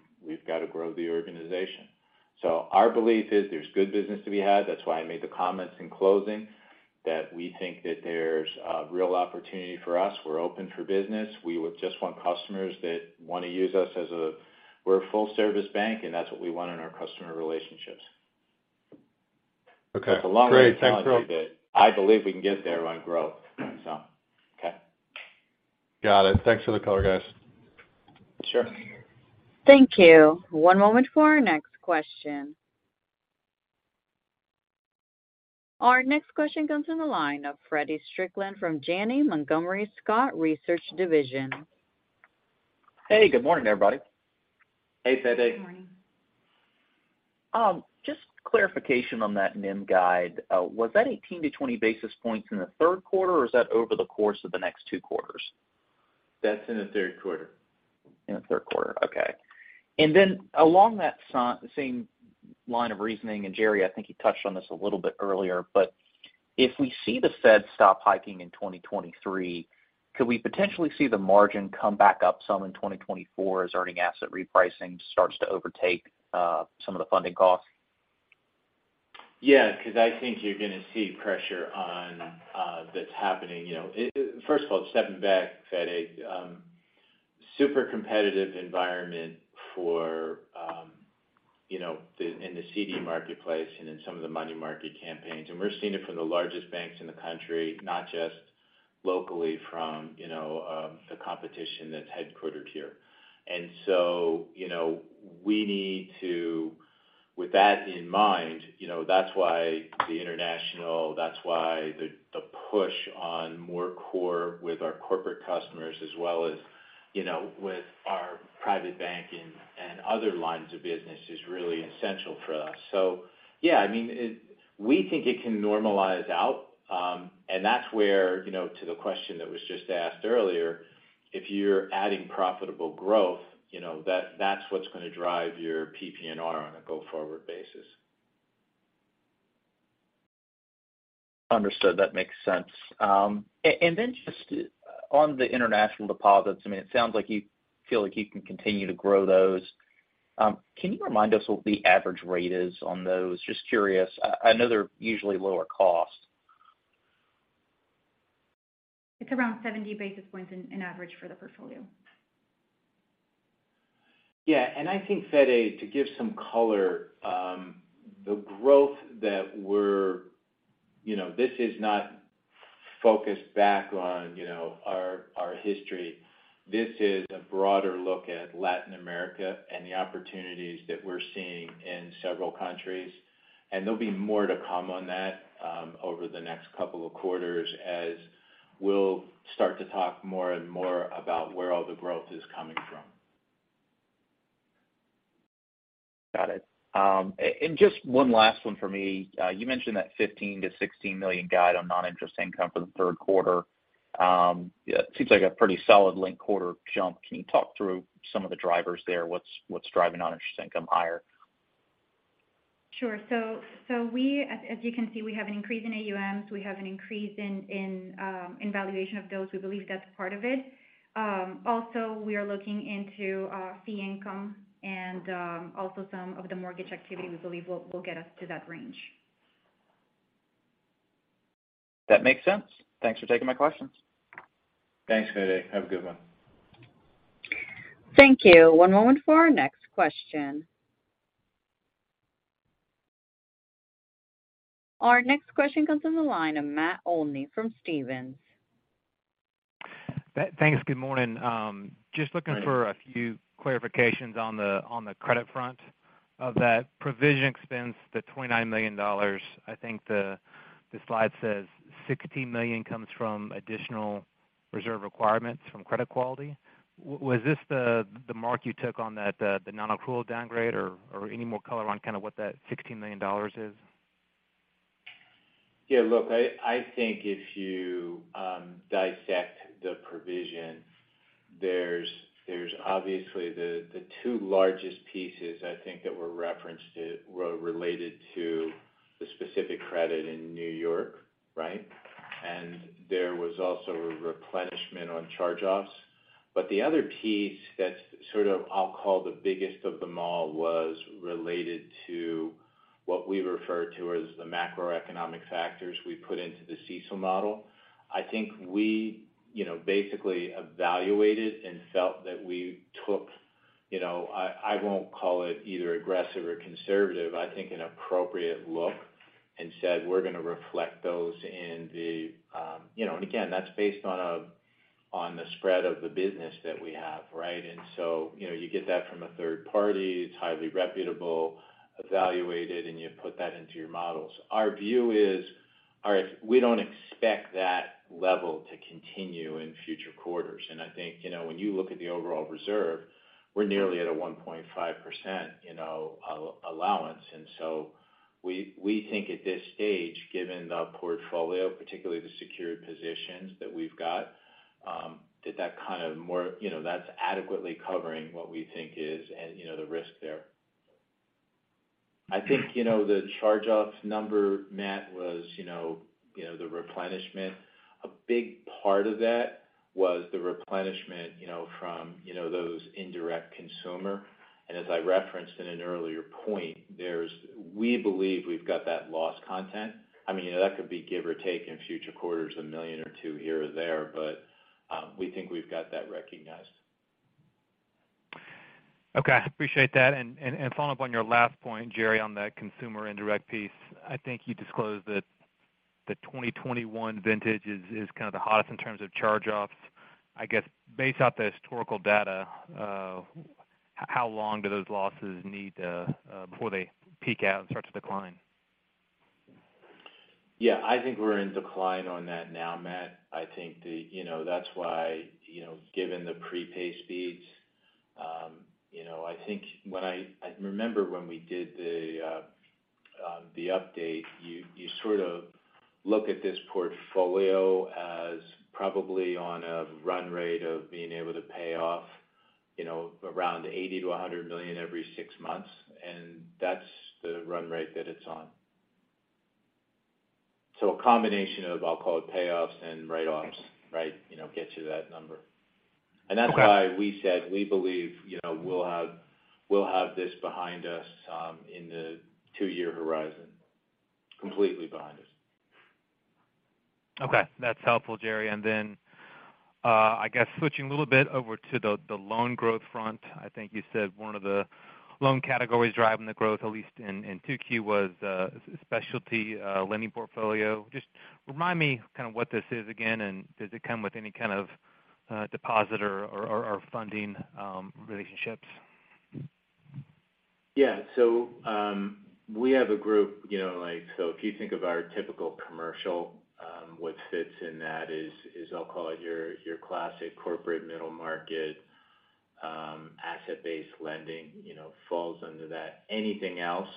got to grow the organization. Our belief is there's good business to be had. That's why I made the comments in closing, that we think that there's a real opportunity for us. We're open for business. We would just want customers that want to use us, we're a full-service bank, and that's what we want in our customer relationships. Okay, great. Thanks, Rob. I believe we can get there on growth, so okay. Got it. Thanks for the color, guys. Sure. Thank you. One moment for our next question. Our next question comes in the line of Feddie Strickland from Janney Montgomery Scott Research Division. Hey, good morning, everybody. Hey, Feddie. Good morning. Just clarification on that NIM guide. Was that 18-20 basis points in the third quarter, or is that over the course of the next two quarters? That's in the third quarter. In the third quarter. Okay. Along that same line of reasoning, and Jerry, I think you touched on this a little bit earlier, but if we see the Fed stop hiking in 2023, could we potentially see the margin come back up some in 2024 as earning asset repricing starts to overtake some of the funding costs? Yeah, because I think you're going to see pressure on, that's happening. You know, first of all, stepping back, Feddie, super competitive environment for, you know, in the CD marketplace and in some of the money market campaigns. We're seeing it from the largest banks in the country, not just locally from, you know, the competition that's headquartered here. You know, with that in mind, you know, that's why the international, that's why the push on more core with our corporate customers, as well as, you know, with our private banking and other lines of business, is really essential for us. Yeah, I mean, we think it can normalize out, and that's where, you know, to the question that was just asked earlier, if you're adding profitable growth, you know, that's what's going to drive your PPNR on a go-forward basis. Understood. That makes sense. Then just on the international deposits, I mean, it sounds like you feel like you can continue to grow those. Can you remind us what the average rate is on those? Just curious. I know they're usually lower cost. It's around 70 basis points in average for the portfolio. Yeah, I think, Feddie, to give some color, you know, this is not focused back on, you know, our history. This is a broader look at Latin America and the opportunities that we're seeing in several countries, and there'll be more to come on that over the next couple of quarters as we'll start to talk more and more about where all the growth is coming from. Got it. Just one last one for me. You mentioned that $15 million-$16 million guide on non-interest income for the third quarter. It seems like a pretty solid link quarter jump. Can you talk through some of the drivers there? What's driving non-interest income higher? Sure. We, as you can see, we have an increase in AUMs, we have an increase in valuation of those. We believe that's part of it. Also, we are looking into fee income and also some of the mortgage activity we believe will get us to that range. That makes sense. Thanks for taking my questions. Thanks, Feddie. Have a good one. Thank you. One moment for our next question. Our next question comes from the line of Matt Olney from Stephens. Thanks. Good morning. Just looking for... Hi. A few clarifications on the credit front. Of that provision expense, the $29 million, I think the slide says $16 million comes from additional reserve requirements from credit quality. Was this the mark you took on that, the non-accrual downgrade, or any more color on kind of what that $16 million is? Look, I think if you dissect the provision, there's obviously the two largest pieces I think that were referenced to, were related to the specific credit in New York, right? There was also a replenishment on charge-offs. The other piece that's sort of, I'll call the biggest of them all, was related to what we refer to as the macroeconomic factors we put into the CECL model. I think we, you know, basically evaluated and felt that we took, you know, I won't call it either aggressive or conservative, I think an appropriate look, and said: We're gonna reflect those in the, you know, and again, that's based on the spread of the business that we have, right? You know, you get that from a third party, it's highly reputable, evaluated, and you put that into your models. Our view is, we don't expect that level to continue in future quarters. I think, you know, when you look at the overall reserve, we're nearly at a 1.5%, you know, allowance. We think at this stage, given the portfolio, particularly the secured positions that we've got, that kind of more, you know, that's adequately covering what we think is and, you know, the risk there. I think, you know, the charge-offs number, Matt, was, you know, the replenishment. A big part of that was the replenishment, you know, from, you know, those indirect consumer. As I referenced in an earlier point, we believe we've got that loss content. I mean, you know, that could be give or take in future quarters, $1 million or $2 million here or there, but, we think we've got that recognized. Okay, I appreciate that. Following up on your last point, Jerry, on that consumer indirect piece, I think you disclosed that the 2021 vintage is kind of the hottest in terms of charge-offs. I guess, based off the historical data, how long do those losses need to before they peak out and start to decline? I think we're in decline on that now, Matt. I think the, you know, that's why, you know, given the prepay speeds, you know, I think when I remember when we did the update, you sort of look at this portfolio as probably on a run rate of being able to pay off, you know, around $80 million-$100 million every six months, and that's the run rate that it's on. A combination of, I'll call it payoffs and write-offs. Okay. right, you know, gets you that number. Okay. That's why we said we believe, you know, we'll have this behind us, in the two-year horizon, completely behind us. Okay, that's helpful, Jerry. I guess switching a little bit over to the loan growth front. I think you said one of the loan categories driving the growth, at least in 2Q, was specialty lending portfolio. Just remind me kind of what this is again, and does it come with any kind of depositor or funding relationships? Yeah. We have a group, you know, like, if you think of our typical commercial, what fits in that is, I'll call it your classic corporate middle market, asset-based lending, you know, falls under that. Anything else,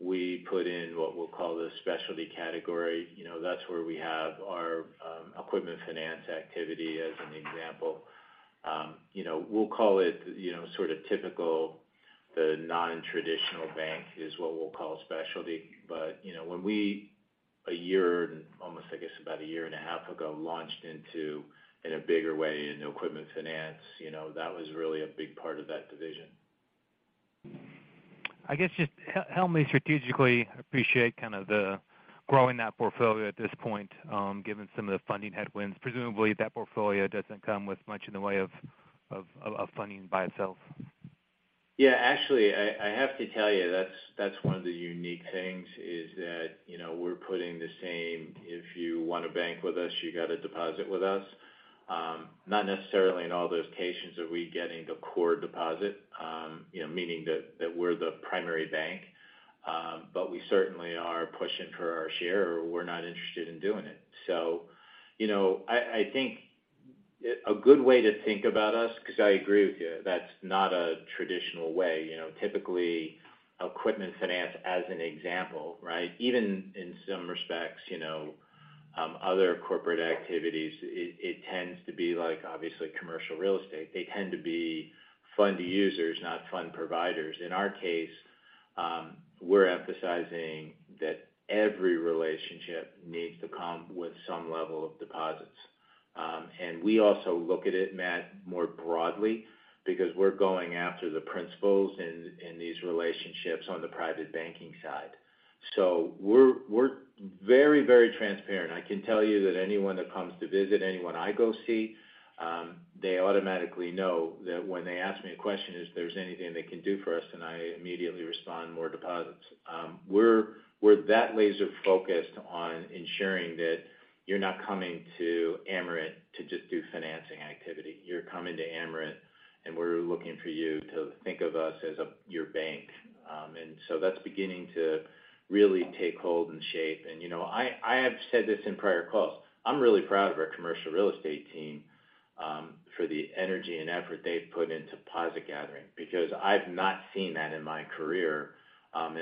we put in what we'll call the specialty category. You know, that's where we have our equipment finance activity, as an example. You know, we'll call it, you know, sort of typical, the non-traditional bank is what we'll call specialty. You know, when we, a year, almost, I guess, about a year and a half ago, launched into, in a bigger way, into equipment finance, you know, that was really a big part of that division. I guess just help me strategically appreciate kind of the growing that portfolio at this point, given some of the funding headwinds. Presumably, that portfolio doesn't come with much in the way of funding by itself. Yeah, actually, I have to tell you, that's one of the unique things, is that, you know, we're putting the same, if you want to bank with us, you got to deposit with us. Not necessarily in all those cases are we getting the core deposit, you know, meaning that we're the primary bank. We certainly are pushing for our share, or we're not interested in doing it. You know, I think a good way to think about us, because I agree with you, that's not a traditional way. You know, typically, equipment finance, as an example, right? Even in some respects, you know, other corporate activities, it tends to be like, obviously, commercial real estate. They tend to be fund users, not fund providers. In our case, we're emphasizing that every relationship needs to come with some level of deposits. We also look at it, Matt, more broadly, because we're going after the principals in these relationships on the private banking side. We're very, very transparent. I can tell you that anyone that comes to visit, anyone I go see, they automatically know that when they ask me a question, if there's anything they can do for us, and I immediately respond, more deposits. We're that laser-focused on ensuring that you're not coming to Amerant to just do financing activity. You're coming to Amerant, and we're looking for you to think of us as your bank. That's beginning to really take hold and shape. You know, I have said this in prior calls. I'm really proud of our commercial real estate team, for the energy and effort they've put into deposit gathering, because I've not seen that in my career,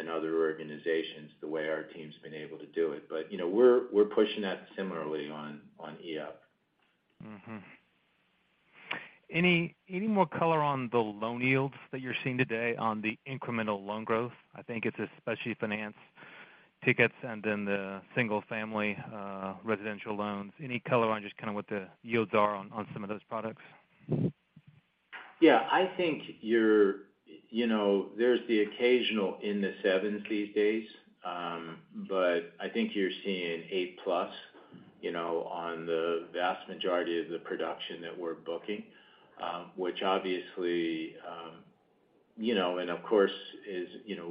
in other organizations, the way our team's been able to do it. You know, we're pushing that similarly on EF. Any more color on the loan yields that you're seeing today on the incremental loan growth? I think it's especially finance tickets and then the single-family residential loans. Any color on just kind of what the yields are on some of those products? Yeah. I think you're, you know, there's the occasional in the 7% these days. I think you're seeing 8%+, you know, on the vast majority of the production that we're booking. Which obviously, you know, and of course, is, you know,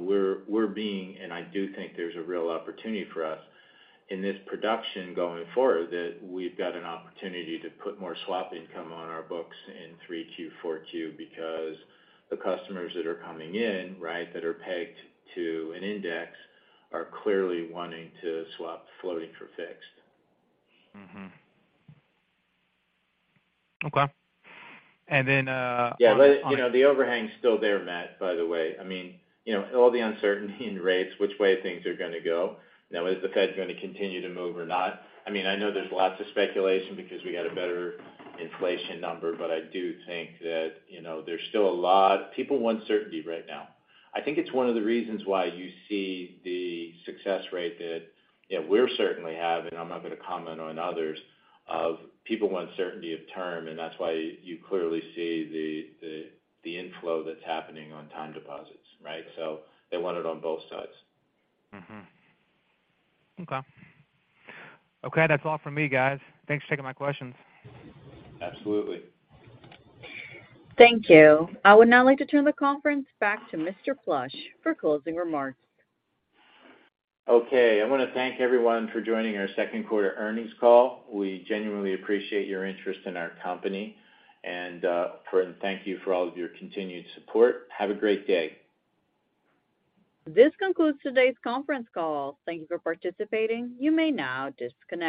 we're being. I do think there's a real opportunity for us in this production going forward, that we've got an opportunity to put more swap income on our books in 3Q, 4Q, because the customers that are coming in, right, that are pegged to an index, are clearly wanting to swap floating for fixed. Okay. You know, the overhang's still there, Matt, by the way. I mean, you know, all the uncertainty in rates, which way things are gonna go. Now, is the Fed going to continue to move or not? I mean, I know there's lots of speculation because we got a better inflation number, but I do think that, you know, there's still a lot. People want certainty right now. I think it's one of the reasons why you see the success rate that, you know, we're certainly having, I'm not going to comment on others, of people want certainty of term, and that's why you clearly see the inflow that's happening on time deposits, right? So they want it on both sides. Okay. Okay, that's all from me, guys. Thanks for taking my questions. Absolutely. Thank you. I would now like to turn the conference back to Mr. Plush for closing remarks. Okay. I want to thank everyone for joining our second-quarter earnings call. We genuinely appreciate your interest in our company, and thank you for all of your continued support. Have a great day. This concludes today's conference call. Thank you for participating. You may now disconnect.